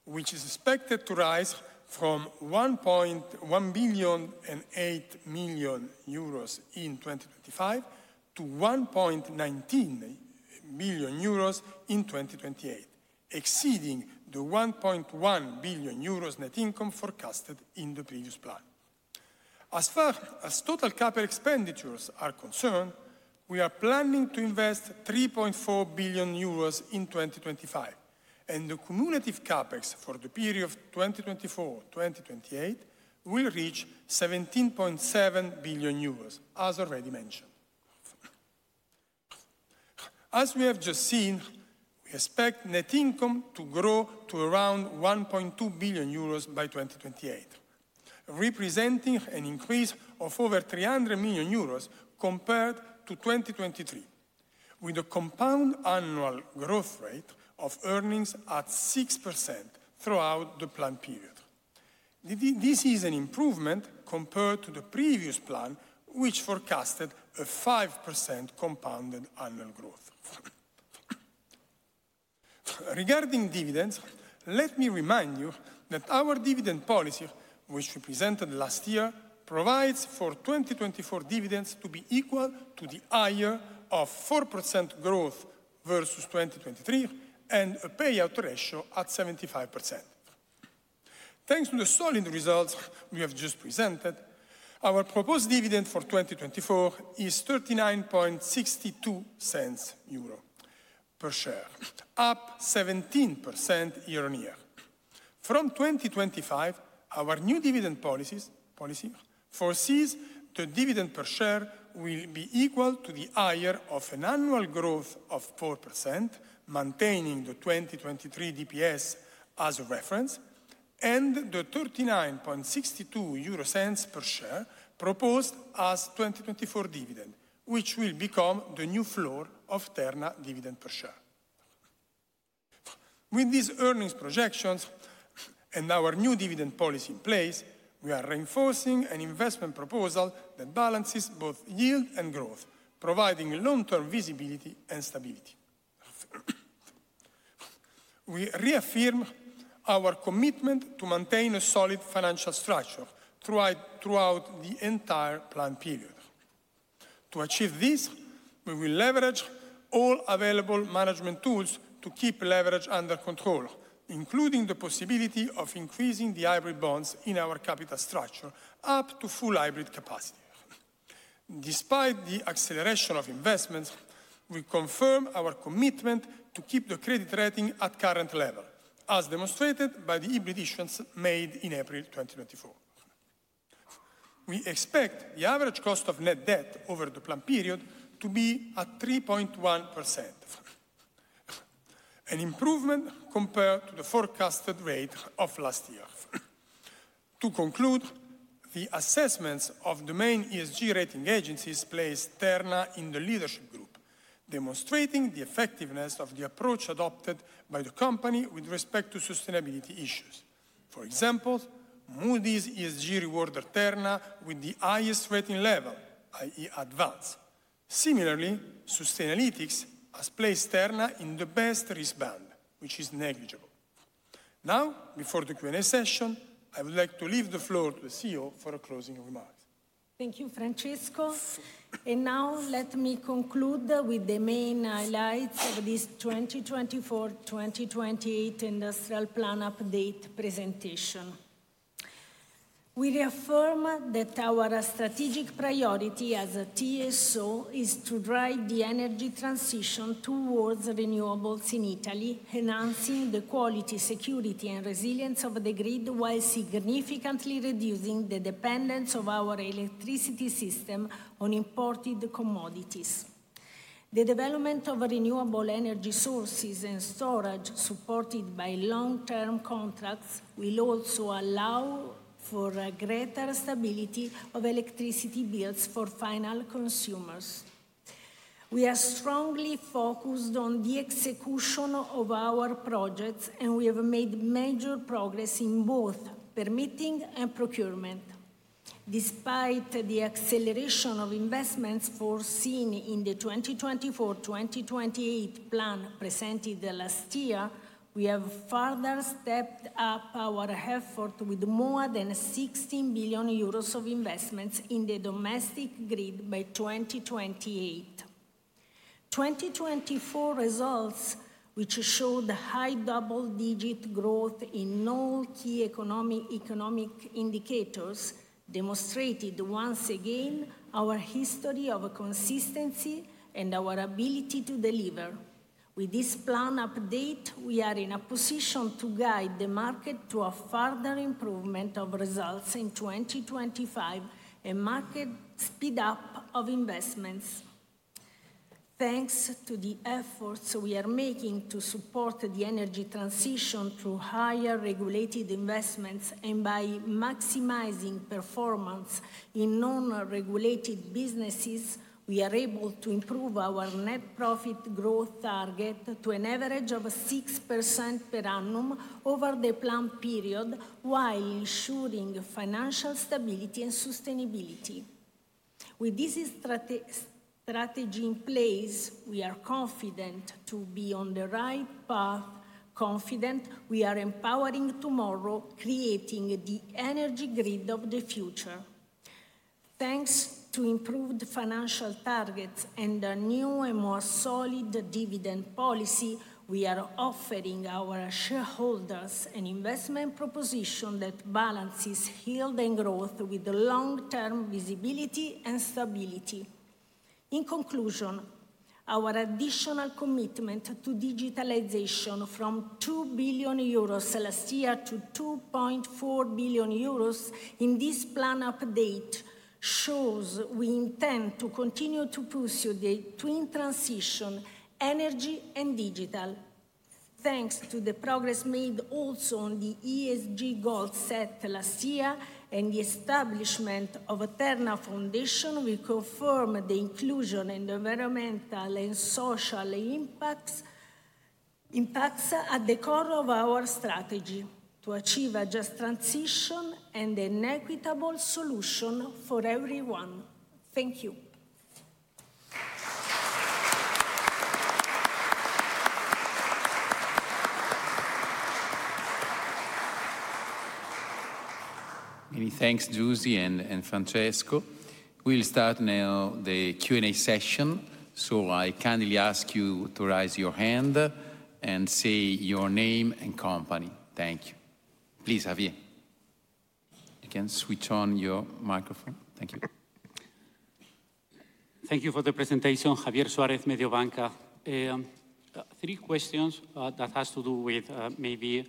which is expected to rise higher from 1.108 billion in 2025 to 1.19 billion euros in 2028, exceeding the 1.1 billion euros net income forecasted in the previous plan. As far as total capital expenditures are concerned, we are planning to invest 3.4 billion euros in 2024 and the cumulative CAPEX for the period of 2024-2028 will reach 17.7 billion euros. As already mentioned, as we have just seen, we expect net income to grow to around 1.2 billion euros by 2028, representing an increase of over 300 million euros compared to 2023. With a compound annual growth rate of earnings at 6% throughout the plan period, this is an improvement compared to the previous plan which forecasted a 5% compound annual growth. Regarding dividends, let me remind you that our dividend policy which we presented last year provides for 2024 dividends to be equal to the higher of 4% growth versus 2023 and a payout ratio at 75%. Thanks to the solid results we have just presented, our proposed dividend for 2024 is 0.3962 per share, up 17% year-on-year from 2023. Our new dividend policy foresees the dividend per share will be equal to the higher of an annual growth of 4%, maintaining the 2023 DPS as a reference and the 0.3962 per share proposed as 2024 dividend which will become the new floor of Terna dividend per share. With these earnings projections and our new dividend policy in place, we are reinforcing an investment proposal that balances both yield and growth, providing long term visibility and stability. We reaffirm our commitment to maintain a solid financial structure throughout the entire plan period. To achieve this, we will leverage all available management tools to keep leverage under control, including the possibility of increasing the hybrid bonds in our capital structure up to full hybrid capacity. Despite the acceleration of investments, we confirm our commitment to keep the credit rating at current level. As demonstrated by the hybrid issuance made in April 2020, we expect the average cost of net debt over the plan period to be at 3.1%, an improvement compared to the forecasted rate of last year. To conclude, the assessments of domain ESG rating agencies place Terna in the leadership group, demonstrating the effectiveness of the approach adopted by the company with respect to sustainability issues. For example, Moody's ESG rewarded Terna with the highest rating level, that is Advance. Similarly, Sustainalytics has placed Terna in the best risk band, which is negligible. Now, before the Q and A session, I would like to leave the floor to the CEO for closing. Thank you, Francesco, and now let me conclude with the main highlights of this 2024-2028 Industrial Plan Update presentation. We reaffirm that our strategic priority as a TSO is to drive the energy transition towards renewables in Italy, enhancing the quality, security, and resilience of the grid while significantly reducing the dependence of our electricity system on importing commodities. The development of renewable energy sources and storage supported by long-term contracts will also allow for greater stability of electricity bills for final consumers. We are strongly focused on the execution of our projects and we have made major progress in both permitting and procurement. Despite the acceleration of investments foreseen in the 2024-2028 plan presented last year, we have further stepped up our effort with more than 16 billion euros of investments in the domestic grid by 2028. 2024 results, which showed high double-digit growth in all key economic indicators, demonstrated once again our history of consistency and our ability to deliver. With this plan update, we are in a position to guide the market to a further improvement of results in 2025 and market speed up of investments. Thanks to the efforts we are making to support the energy transition through higher regulated EUR investments and by maximizing performance in non-regulated businesses, we are able to improve our net profit growth target to an average of 6% per annum over the planned period while ensuring financial stability and sustainability. With this strategy in place, we are confident to be on the right path. Confident we are empowering tomorrow, creating the energy grid of the future. Thanks to improved financial targets and a new and more solid dividend policy, we are offering our shareholders an investment proposition that balances yield and growth with long-term visibility and stability. In conclusion, our additional commitment to digitalisation from 2 billion euros last year to 2.4 billion euros in this plan update shows we intend to continue to pursue the twin transition, energy and digital. Thanks to the progress made also on the ESG goal set last year and the establishment of Terna foundation, we will confirm the inclusion and environmental and social impacts at the core of our strategy to achieve a just transition and an equitable solution for everyone. Thank you. Many thanks. Gusie and Francesco, we'll start now the Q and A session. I kindly ask you to raise your hand and say your name and company. Thank you. Please, Javier, you can switch on your microphone. Thank you. Thank you for the presentation. Javier Suarez, Mediobanca. Three questions that has to do with maybe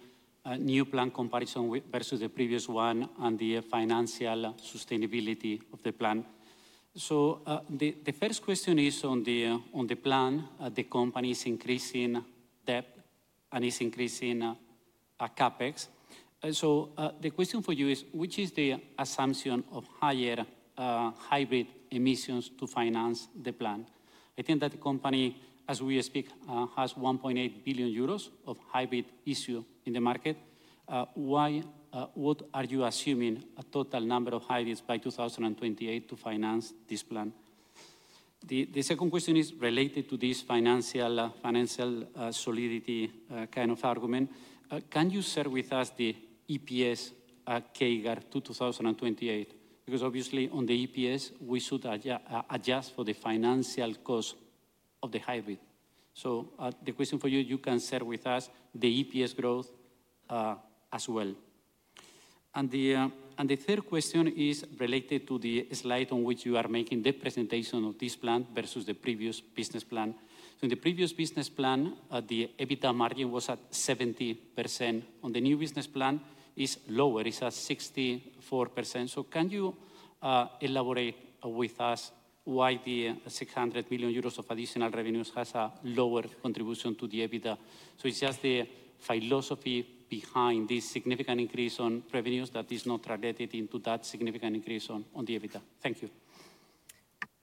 new plan comparison versus the previous one and the financial sustainability of the plan. The first question is on the plan. The company's increasing debt and is increasing CAPEX. The question for you is which is the assumption of higher hybrid emissions to finance the plan? I think that the company as we speak has 1.8 billion euros of hybrid issue in the market. Why? What are you assuming? A total number of hybrids by 2028 to finance this plan. The second question is related to this financial solidity kind of argument. Can you share with us the EPS KGAR2 2028? Because obviously on the EPS we should adjust for the financial cost of the hybrid. The question for you, you can share with us the EPS growth as well. The third question is related to the slide on which you are making the presentation of this plan versus the previous business plan. In the previous business plan, the EBITDA margin was at. 70%. On the new business plan is lower, it's at 64%. Can you elaborate with us why the 600 million euros of additional revenues has a lower contribution to the EBITDA? It's just the philosophy behind this significant increase on revenues that is not related into that significant increase on the EBITDA. Thank you.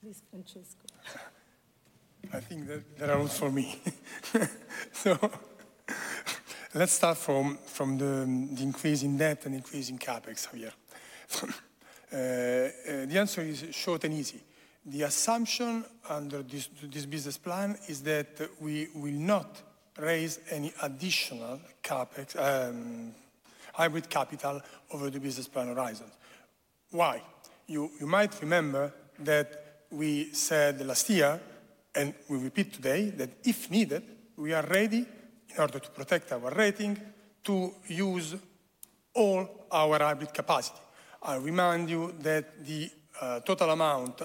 Please, Francesco, I think there are rules for me. Let's start from the increase in debt and increasing CapEx. Here the answer is short and easy. The assumption under this business plan is that we will not raise any additional CapEx hybrid capital over the business plan horizons. Why? You might remember that we said last year, and we repeat today, that if needed, we are ready, in order to protect our rating, to use all our hybrid capacity. I remind you that the total amount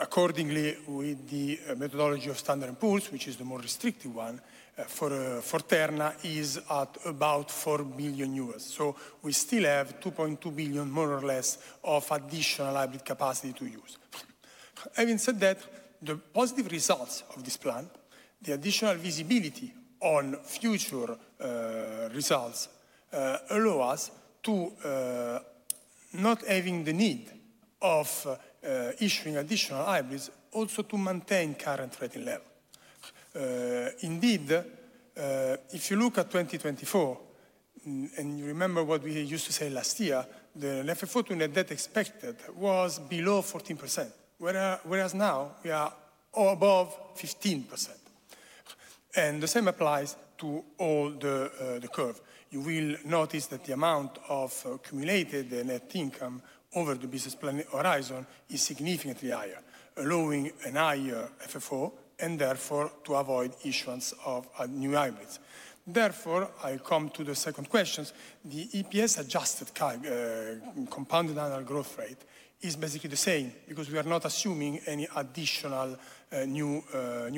accordingly with the methodology of Standard & Poor's, which is the more restrictive one for Terna, is at about $4 billion. We still have $2.2 billion more or less of additional hybrid capacity to use. Having said that, the positive results of this plan, the additional visibility on future results allow us to not have the need of issuing additional hybrids, also to maintain current rating level. Indeed, if you look at 2024 and you remember what we used to say, last year the leverage for debt expected was below 14%, whereas now we are above 15% and the same applies to all the curve. You will notice that the amount of accumulated net income over the business plan horizon is significantly higher allowing a higher FFO and therefore to avoid issuance of new hybrids. Therefore, I come to the second question. The EPS adjusted compounded annual growth rate is basically the same because we are not assuming any additional new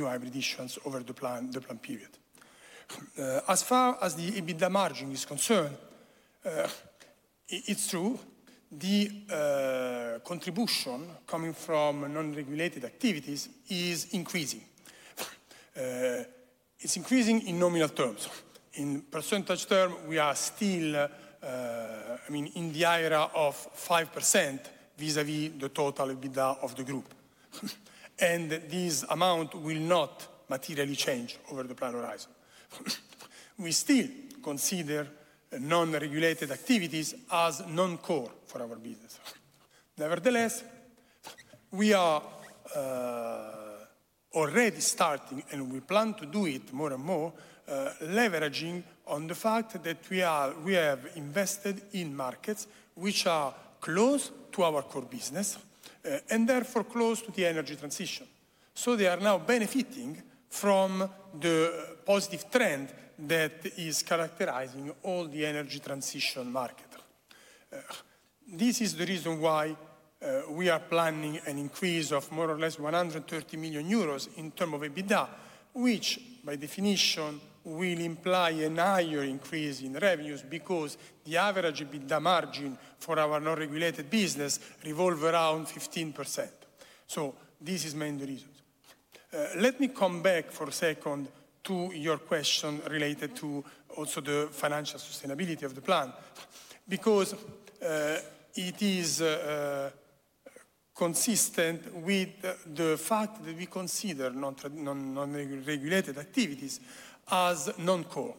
hybrid issuance over the plan period. As far as the EBITDA margin is concerned, it's true the contribution coming from non regulated activities is increasing. It's increasing in nominal terms. In percentage terms we are still, I mean in the area of 5% vis a vis the total EBITDA of the group. And this amount will not materially change over the plan horizon. We still consider non regulated activities as non core for our business. Nevertheless, we are already starting and we plan to do it more and more leveraging on the fact that we have invested in markets which are close to our core business and therefore close to the energy transition. They are now benefiting from the positive trend that is characterizing all the energy transition market. This is the reason why we are planning an increase of more or less 130 million euros in terms of EBITDA, which by definition will imply a higher increase in revenues because the average EBITDA margin for our non regulated business revolves around 15%. This is the main reason. Let me come back for a second to your question related to also the financial sustainability of the plan. Because it is consistent with the fact that we consider non regulated activities as non core.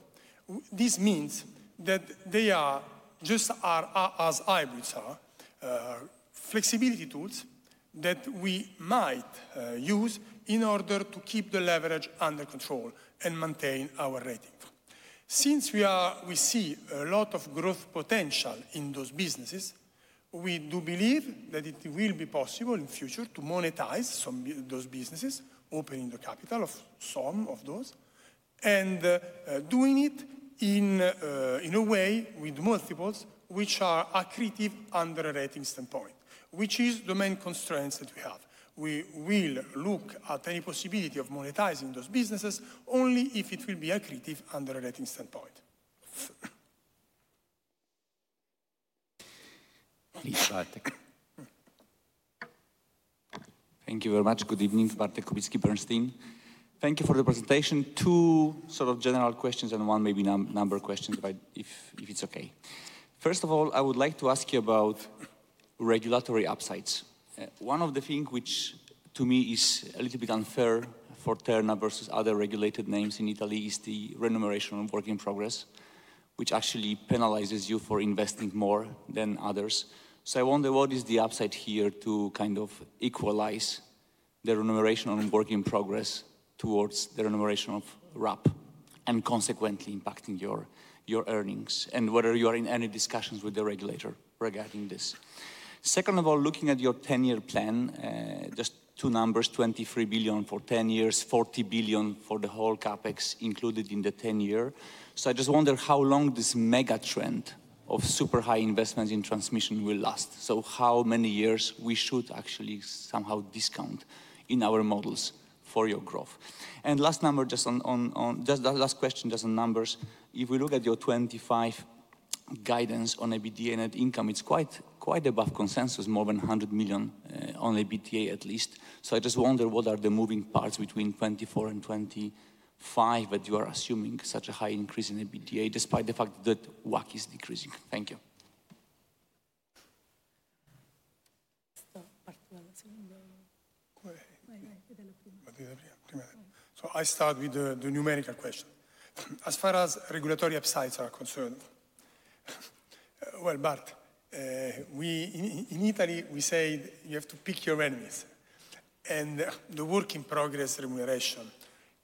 This means that they are just as hybrids or flexibility tools that we might use in order to keep the leverage under control and maintain our rating. Since we see a lot of growth potential in those businesses, we do believe that it will be possible in future to monetize some of those businesses. Opening the capital of some of those and doing it in a way with multiples which are accretive under rating point, which is the main constraints that we have. We will look at any possibility of monetizing those businesses only if it will be accretive under a rating. Standpoint. Thank you very much. Good evening. Thank you for the presentation. Two sort of general questions and one maybe number question if I, if it's okay. First of all, I would like to ask you about regulatory upsides. One of the things which to me is a little bit unfair for Terna versus other regulated names in Italy is the remuneration of work in progress, which actually penalizes you for investing more than others. I wonder what is the upside here to kind of equalize the remuneration on work in progress towards the remuneration of RAP and consequently impacting your earnings and whether you are in any discussions with the regulator regarding this. Second of all, looking at your 10-year plan, just two numbers. 23 billion for 10 years, 40 billion for the whole CapEx included in the 10-year. I just wonder how long this mega trend of super high investments in transmission will last. How many years we should actually somehow distribute discount in our models for your growth. Last question, just on numbers. If we look at your 2025 guidance on EBITDA net income, it is quite, quite above consensus. More than 100 million on EBITDA at least. I just wonder what are the moving parts between 2024 and 2025 that you are assuming such a high increase in EBITDA despite the fact that WACC is decreasing. Thank you. I start with the numerical question as far as regulatory upsides are concerned. Bart, in Italy we say you have to pick your enemies and the work in progress remuneration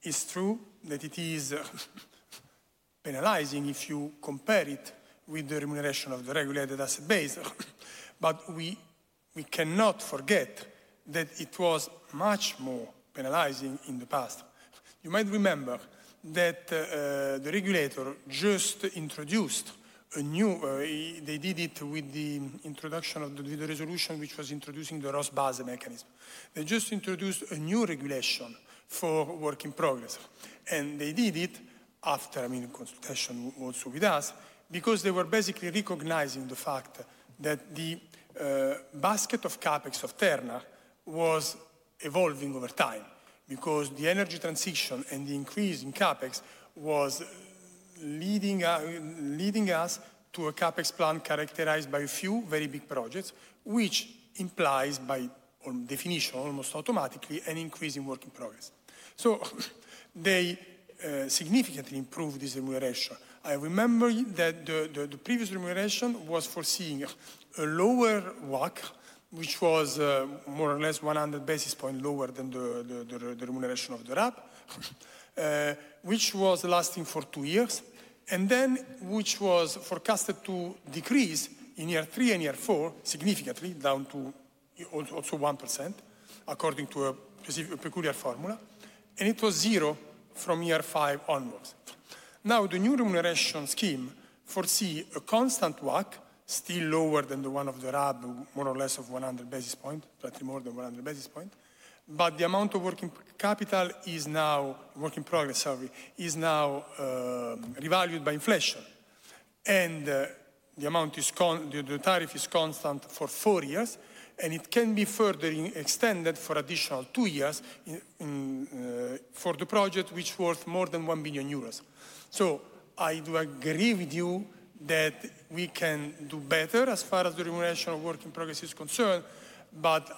is true that it is penalizing if you compare it with the remuneration of the regulated asset base. We cannot forget that it was much more penalizing in the past. You might remember that the regulator just introduced a new. They did it with the introduction of the resolution which was introducing the ROSBAZ mechanism. They just introduced a new regulation for work in progress and they did it after, I mean, consultation also with us because they were basically recognizing the fact that the basket of CapEx of Terna was evolving over time because the energy transition and the increase in CapEx was leading us to a CapEx plan characterized by a few very big projects which implies by definition almost automatically an increase in work in progress. They significantly improved this remuneration. I remember that the previous remuneration was foreseeing a lower WACC which was more or less 100 basis points lower than the remuneration of the RAP which was lasting for two years and then which was forecasted to decrease in year three and year four significantly down to also 1% according to a specific peculiar formula and it was zero from year five onwards. Now the new remuneration scheme foresee a constant walk still lower than the one of the more or less of 100 basis points, slightly more than 100 basis points. But the amount of working capital is now work in progress. Harvard is now revalued by inflation and the amount is called the tariff is constant for four years and it can be further extended for additional two years for the project, which worth more than 1 billion euros. I do agree with you that we can do better as far as the remuneration of work in progress is concerned.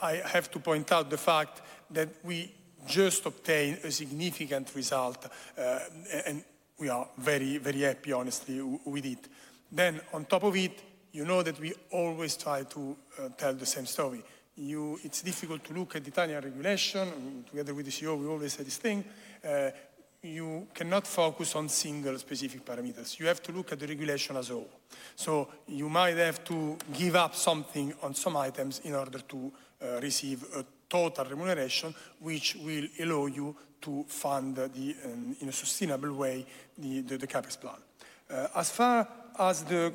I have to point out the fact that we just obtain a significant result and we are very, very happy honestly with it. On top of it, you know that we always try to tell the same story. You know, it's difficult to look at Italian regulation together with the CEO. We always say this thing. You cannot focus on single specific parameters. You have to look at the regulation as a whole. You might have to give up something on some items in order to receive a total remuneration, which will allow you to fund in a sustainable way the CapEx plan. As far as the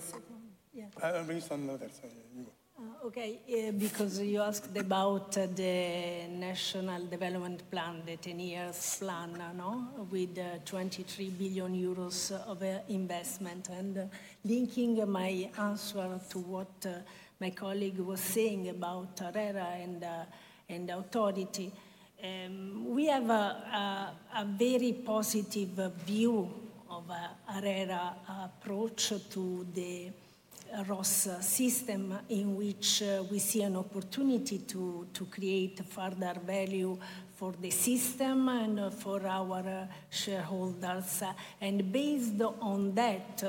recent. Others. Okay, because you asked about the National Development Plan, the 10 years plan with 23 billion euros of investment and linking my answer to what my colleague was saying about Herrera and authority. We have a very positive view of Herrera approach to the ROS system in which we see an opportunity to create further value for the system and for our shareholders. Based on that,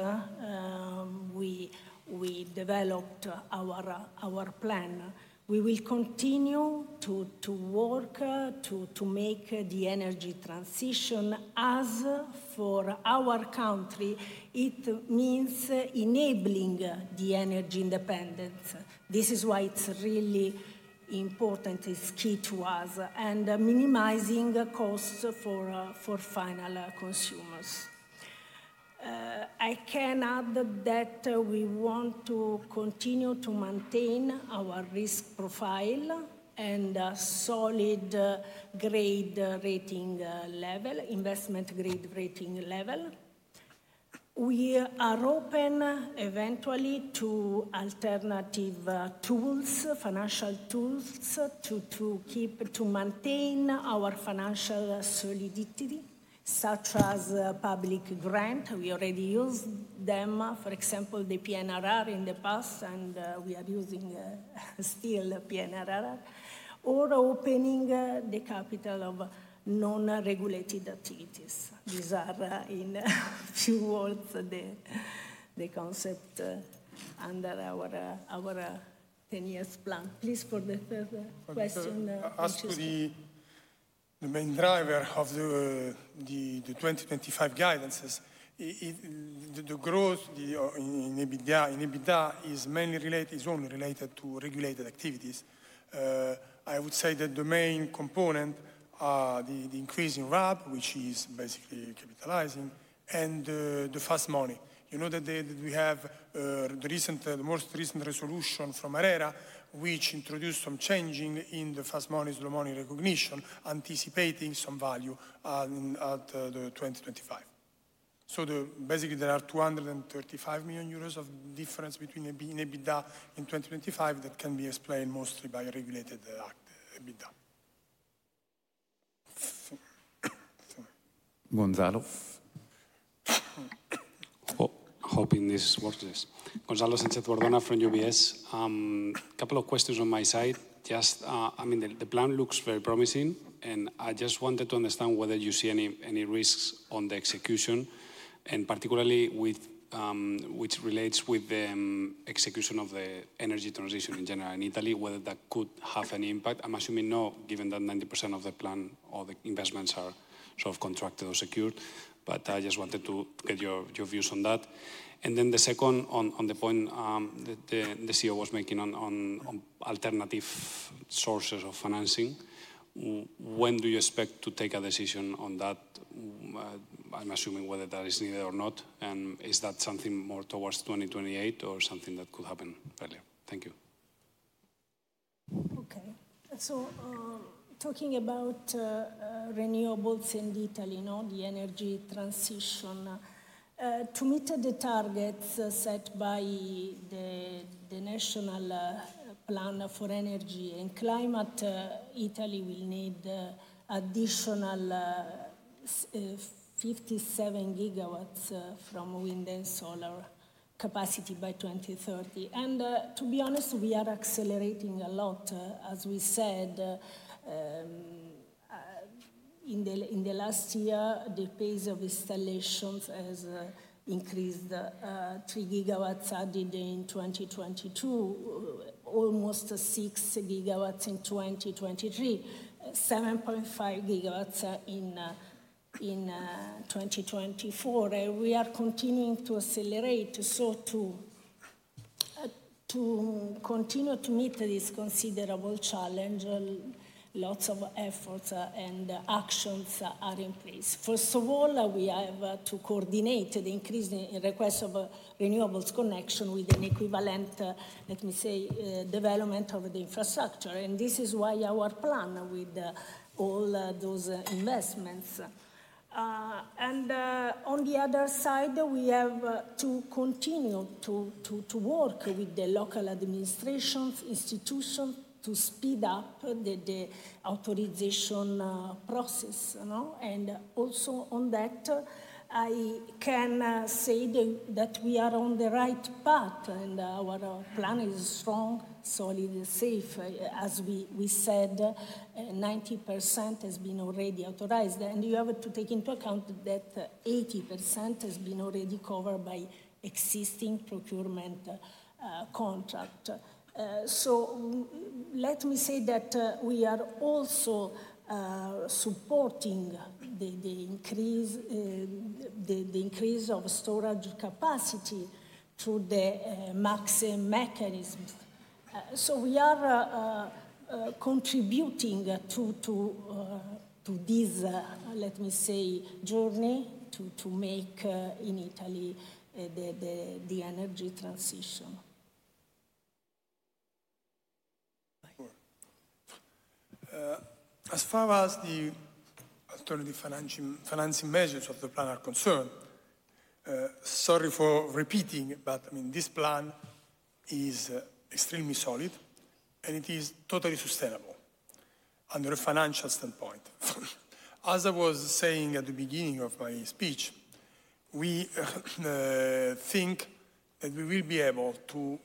we developed our plan. We will continue to work to make the energy transition as for our country. It means enabling the energy independence. This is why it's really important. It's key to us and minimizing costs for final consumers. I can add that we want to continue to maintain our risk profile and solid investment grade rating level. We are open eventually to alternative tools, financial tools to keep to maintain our financial solidity, such as public grant. We already used them for example the PNRR in the past. We are using still PNR or opening the capital of non regulated activities. These are in few words the concept under our 10 years plan. Please for the third question as. To the main driver of the 2025 guidances. The growth in EBITDA is mainly related, is only related to regulated activities. I would say that the main component, the increasing RAP, which is basically capitalizing and the fast money. You know that we have the recent, the most recent resolution from ARERA, which introduced some changing in the fast money recognition, anticipating some value at the 2025. There are 235 million euros of difference between EBITDA in 2025 that can be explained mostly by regulated. Act. Hoping this works. Yes, Gonzalo from UBS. Couple of questions on my side. I mean, the plan looks very promising and I just wanted to understand whether you see any risks on the execution and particularly which relates with the execution of the energy transition in general in Italy. Whether that could have an impact, I'm assuming no, given that 90% of the plan or the investments are sort of contracted or secured. I just wanted to get your views on that. The second, on the point the CEO was making on alternative sources of financing, when do you expect to take a decision on that? I'm assuming whether that is needed or not. Is that something more towards 2028 or something that could happen earlier? Thank. Okay, so talking about renewables in Italy, the energy transition. To meet the targets set by the National Plan for Energy and Climate, Italy will need additional, additional 57 GW from wind and solar capacity by 2030. To be honest, we are accelerating a lot. As we said in the last year, the pace of installations has increased 3 GW added in 2022, almost a single gigawatt in 2023, 7.5 gigawatts in 2024. We are continuing to accelerate. To continue to meet this considerable challenge, lots of efforts and actions are in place. First of all, we have to coordinate the increasing request of renewable connection with an equivalent, let me say, development of the infrastructure. This is why our plan, with all those investments, and on the other side, we have to continue to work with the local administrations, institutions to speed up the authorization process. I can say that we are on the right path and our plan is strong, solid, safe. As we said, 90% has been already authorized and you have to take into account that 80% has been already covered by existing procurement contract. Let me say that we are also supporting the increase of storage capacity through the MAX mechanisms. We are contributing to this, let me say, journey to make in Italy, the energy. Transition. As far as the alternative financing measures of the plan are concerned. Sorry for repeating, but I mean this plan is extremely solid and it is totally sustainable under a financial standpoint. As I was saying at the beginning of my speech, we think that we will be able to.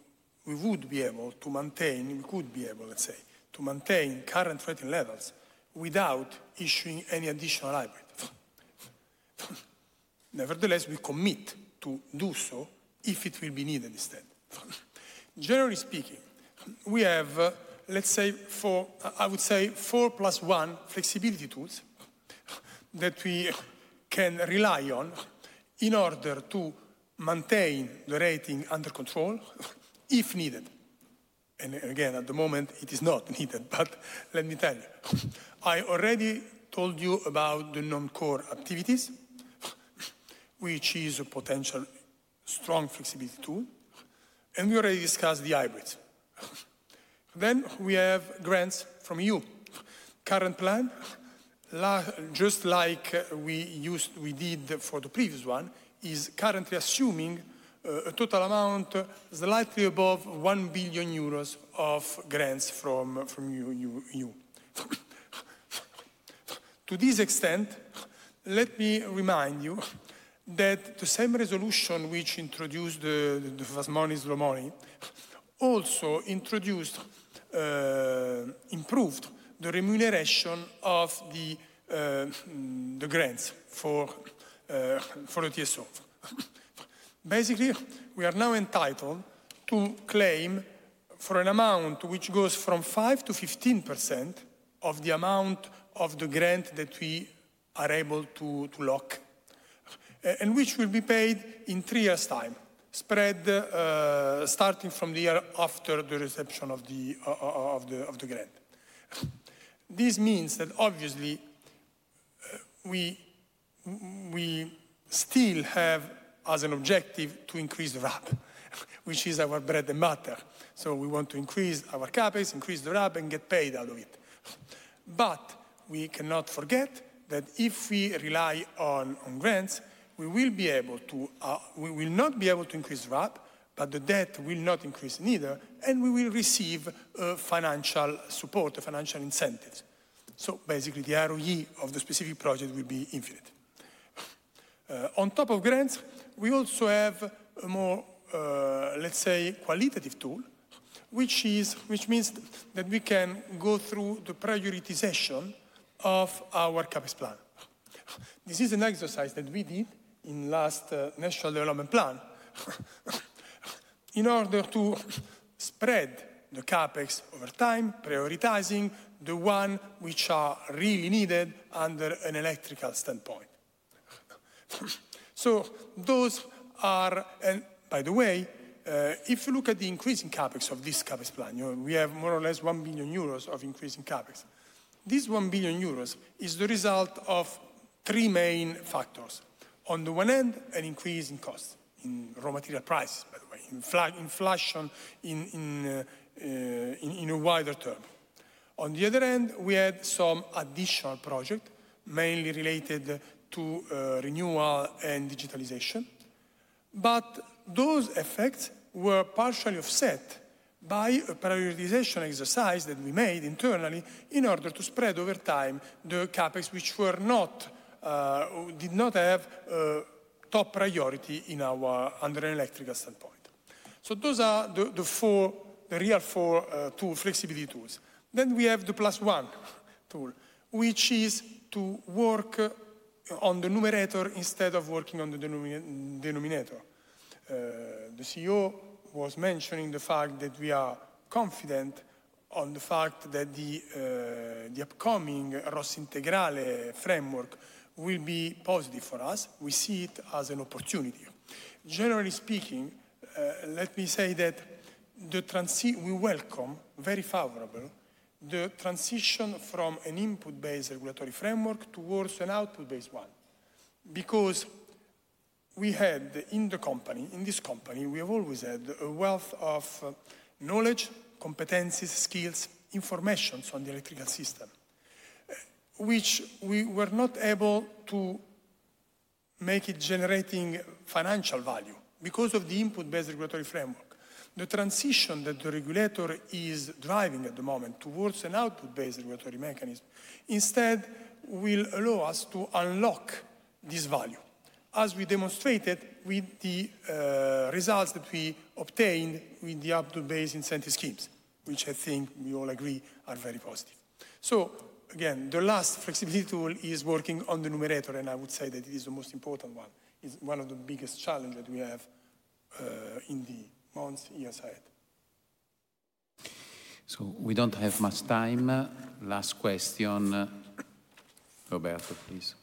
We would be able to maintain. We could be able, let's say, to maintain current rating levels without issuing any additional hybrid. Nevertheless, we commit to do so if it will be needed. Instead, generally speaking, we have, let's say, four plus one flexibility tools that we can rely on in order to maintain the rating under control if needed. At the moment it is not needed. Let me tell you, I already told you about the non core activities, which is a potential strong flexibility tool. We already discussed the hybrids. We have grants from EU. Current plan, just like we did for the previous one, is currently assuming a total amount slightly above 1 billion euros of grants from EU. To this extent, let me remind you that the same resolution which introduced the money also improved the remuneration of the grants for the TSO. Basically, we are now entitled to claim for an amount which goes from 5%-15% of the amount of the grant that we are able to lock and which will be paid in three years' time, spread starting from the year after the reception of the grant. This means that obviously we still have as an objective to increase the RAP, which is our bread and butter. We want to increase our CapEx, increase the RAP and get paid out of it. We cannot forget that if we rely on grants we will not be able to increase RAP, but the debt will not increase either and we will receive financial support, the financial incentives. Basically, the ROE of the specific project will be infinite. On top of grants we also have a more, let's say, qualitative tool, which means that we can go through the prioritization of our CapEx plan. This is an exercise that we did in last National Development Plan in order to spread the CapEx over time, prioritizing the ones which are really needed under an electrical standpoint. Those are. By the way, if you look at the increasing CapEx of this CapEx plan, we have more or less 1 billion euros of increasing CapEx. This 1 billion euros is the result of three main factors. On the one hand, an increase in cost in raw material price, by the way, inflation in a wider term. On the other hand, we had some additional projects mainly related to renewal and digitalization. Those effects were partially offset by a prioritization exercise that we made internally in order to spread over time the CapEx which did not have top priority in our electrical standpoint. Those are the real four flexibility tools. We have the plus one tool, which is to work on the numerator instead of working on the denominator. The CEO was mentioning the fact that we are confident on the fact that the upcoming ROS Integrale framework will be positive for us. We see it as an opportunity. Generally speaking, let me say that we welcome very favorable the transition from an input based regulatory framework towards an output based one. Because we had in the company, in this company we have always had a wealth of knowledge, competencies, skills, information on the electrical system which we were not able to make it generating financial value because of the input based regulatory framework. The transition that the regulator is driving at the moment towards an output based regulatory mechanism instead will allow us to unlock this value, as we demonstrated with the results that we obtained with the output based incentive schemes, which I think we all agree are very positive. Again, the last flexibility tool is working on the numerator and I would say that it is the most important one. One is one of the biggest challenge that we have in the month years. Ahead. We don't have much time. Last question, Roberto. Please.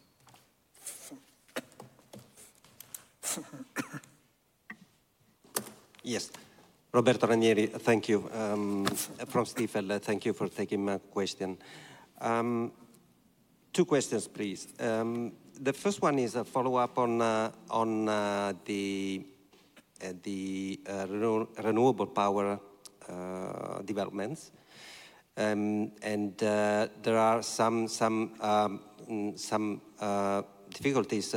Yes. Roberto Ranieri, thank you from Stifel. Thank you for taking my question. Two questions please. The first one is a follow up on the renewable power developments and. There. Are some difficulties,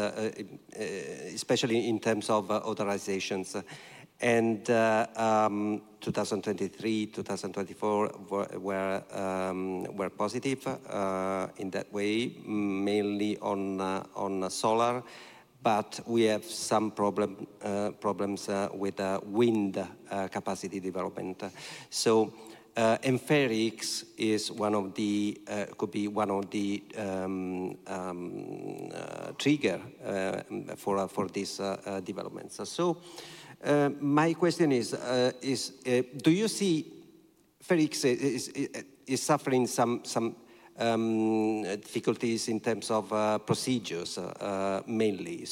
especially in terms of authorizations, and 2023, 2024 were positive in that way, mainly on solar, but we have some problems with wind capacity development. Emphatics is one of the could be one of the trigger for these developments. My question is do you see FER1 is suffering some difficulties in terms of procedures mainly?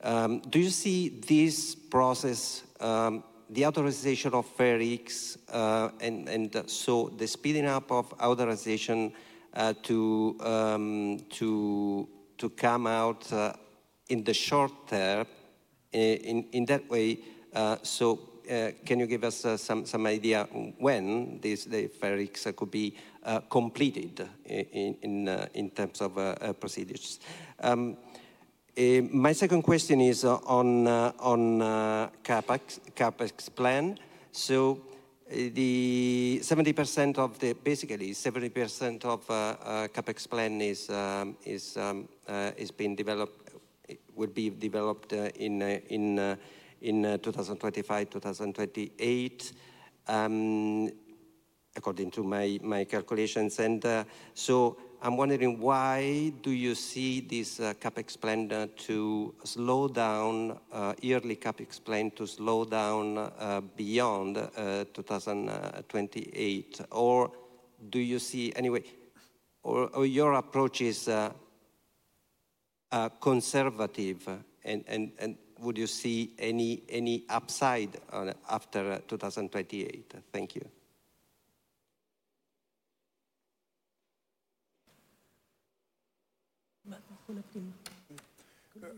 Do you see this process, the authorization of FER1, and the speeding up of authorization to come out in the short term in that way? Can you give us some idea when the FER1 could be completed in terms of procedures? My second question is on CapEx Plan. The 70% of the basically 70% of CapEx plan is being developed, will be developed in 2025-2028 according to my calculations. I'm wondering why do you see this CapEx plan to slow down, yearly CapEx plan to slow down beyond 2028? Or do you see anyway, or your approach is conservative and would you see any upside after 2028? Thank you.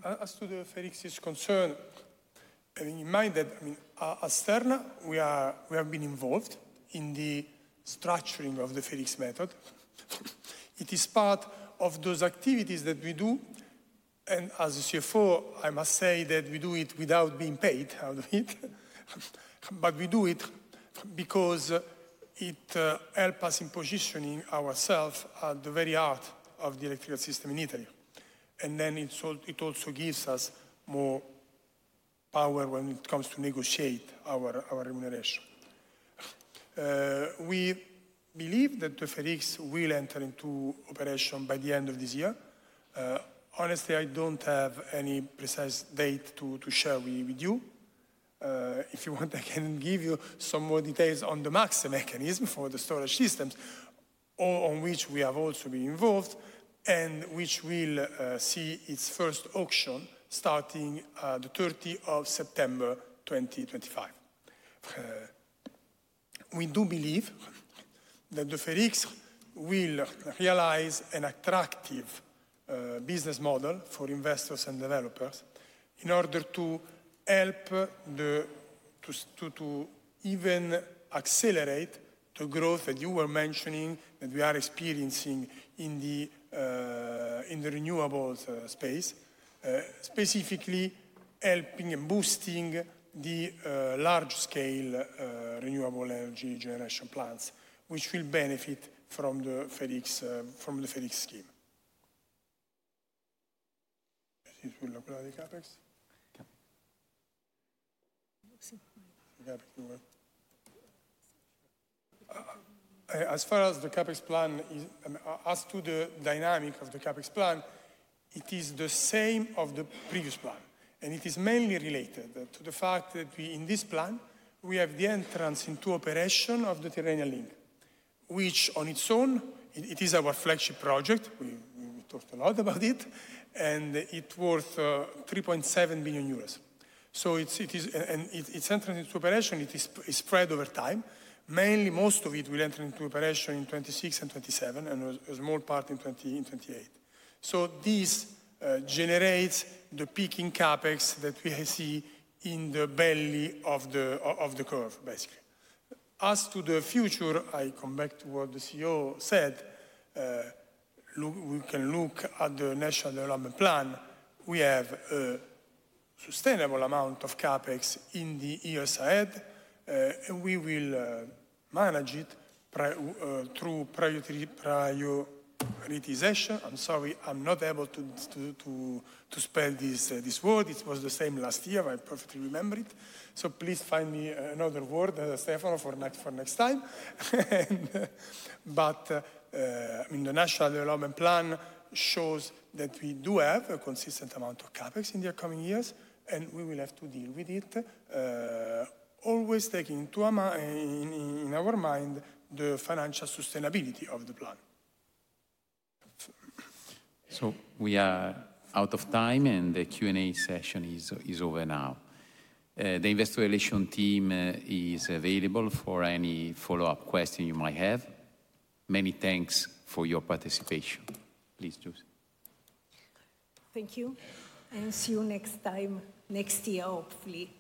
As to the FedEx's concern, having in mind that I mean as Terna we have been involved in the structuring of the FER1 method. It is part of those activities that we do and as a CFO I must say that we do it without being paid out of it, but we do it because it helps us in positioning ourselves at the very heart of the electrical system in Italy. It also gives us more power when it comes to negotiate our remuneration. We believe that the FER1 will enter into operation by the end of this year. Honestly, I don't have any precise date to share with you. If you want I can give you some more details on the MAC mechanism for the storage systems on which we have also been involved and which will see its first auction starting 30th September 2025. We do believe that the FER1 will realize an attractive business model for investors and developers in order to help to even accelerate the growth that you were mentioning that we are experiencing in the renewables space. Specifically helping and boosting the large scale renewable energy generation plants which will benefit from the FER1 scheme. As far as the CapEx plan, as to the dynamic of the CapEx plan, it is the same of the previous plan and it is mainly related to the fact that in this plan we have the entrance into operation of the Tyrrhenian Link which on its own it is our flagship project. We talked a lot about it and it is worth 3.7 billion euros. It is entering into operation. It is spread over time mainly most of it will enter into operation in 2026 and 2027 and a small part in 2028. This generates the peaking CapEx that we see in the belly of the curve basically. As to the future, I come back to what the CEO said. We can look at the National Development Plan. We have a sustainable amount of CapEx in the years ahead and we will manage it through prioritization. I'm sorry, I'm not able to spell this, this word. It was the same last year, I perfectly remember it. Please find me another word Stefano for next time. The National Development Plan shows that we do have a consistent amount of CapEx in the coming years and we will have to deal with it always taking in our mind the financial sustainability of the. Plan. We are out of time and the Q and A session is over. Now the investor relations team is available for any follow up question you might have. Many thanks for your. Participation. Please Giuse. Thank you and see you next time next year hopefully.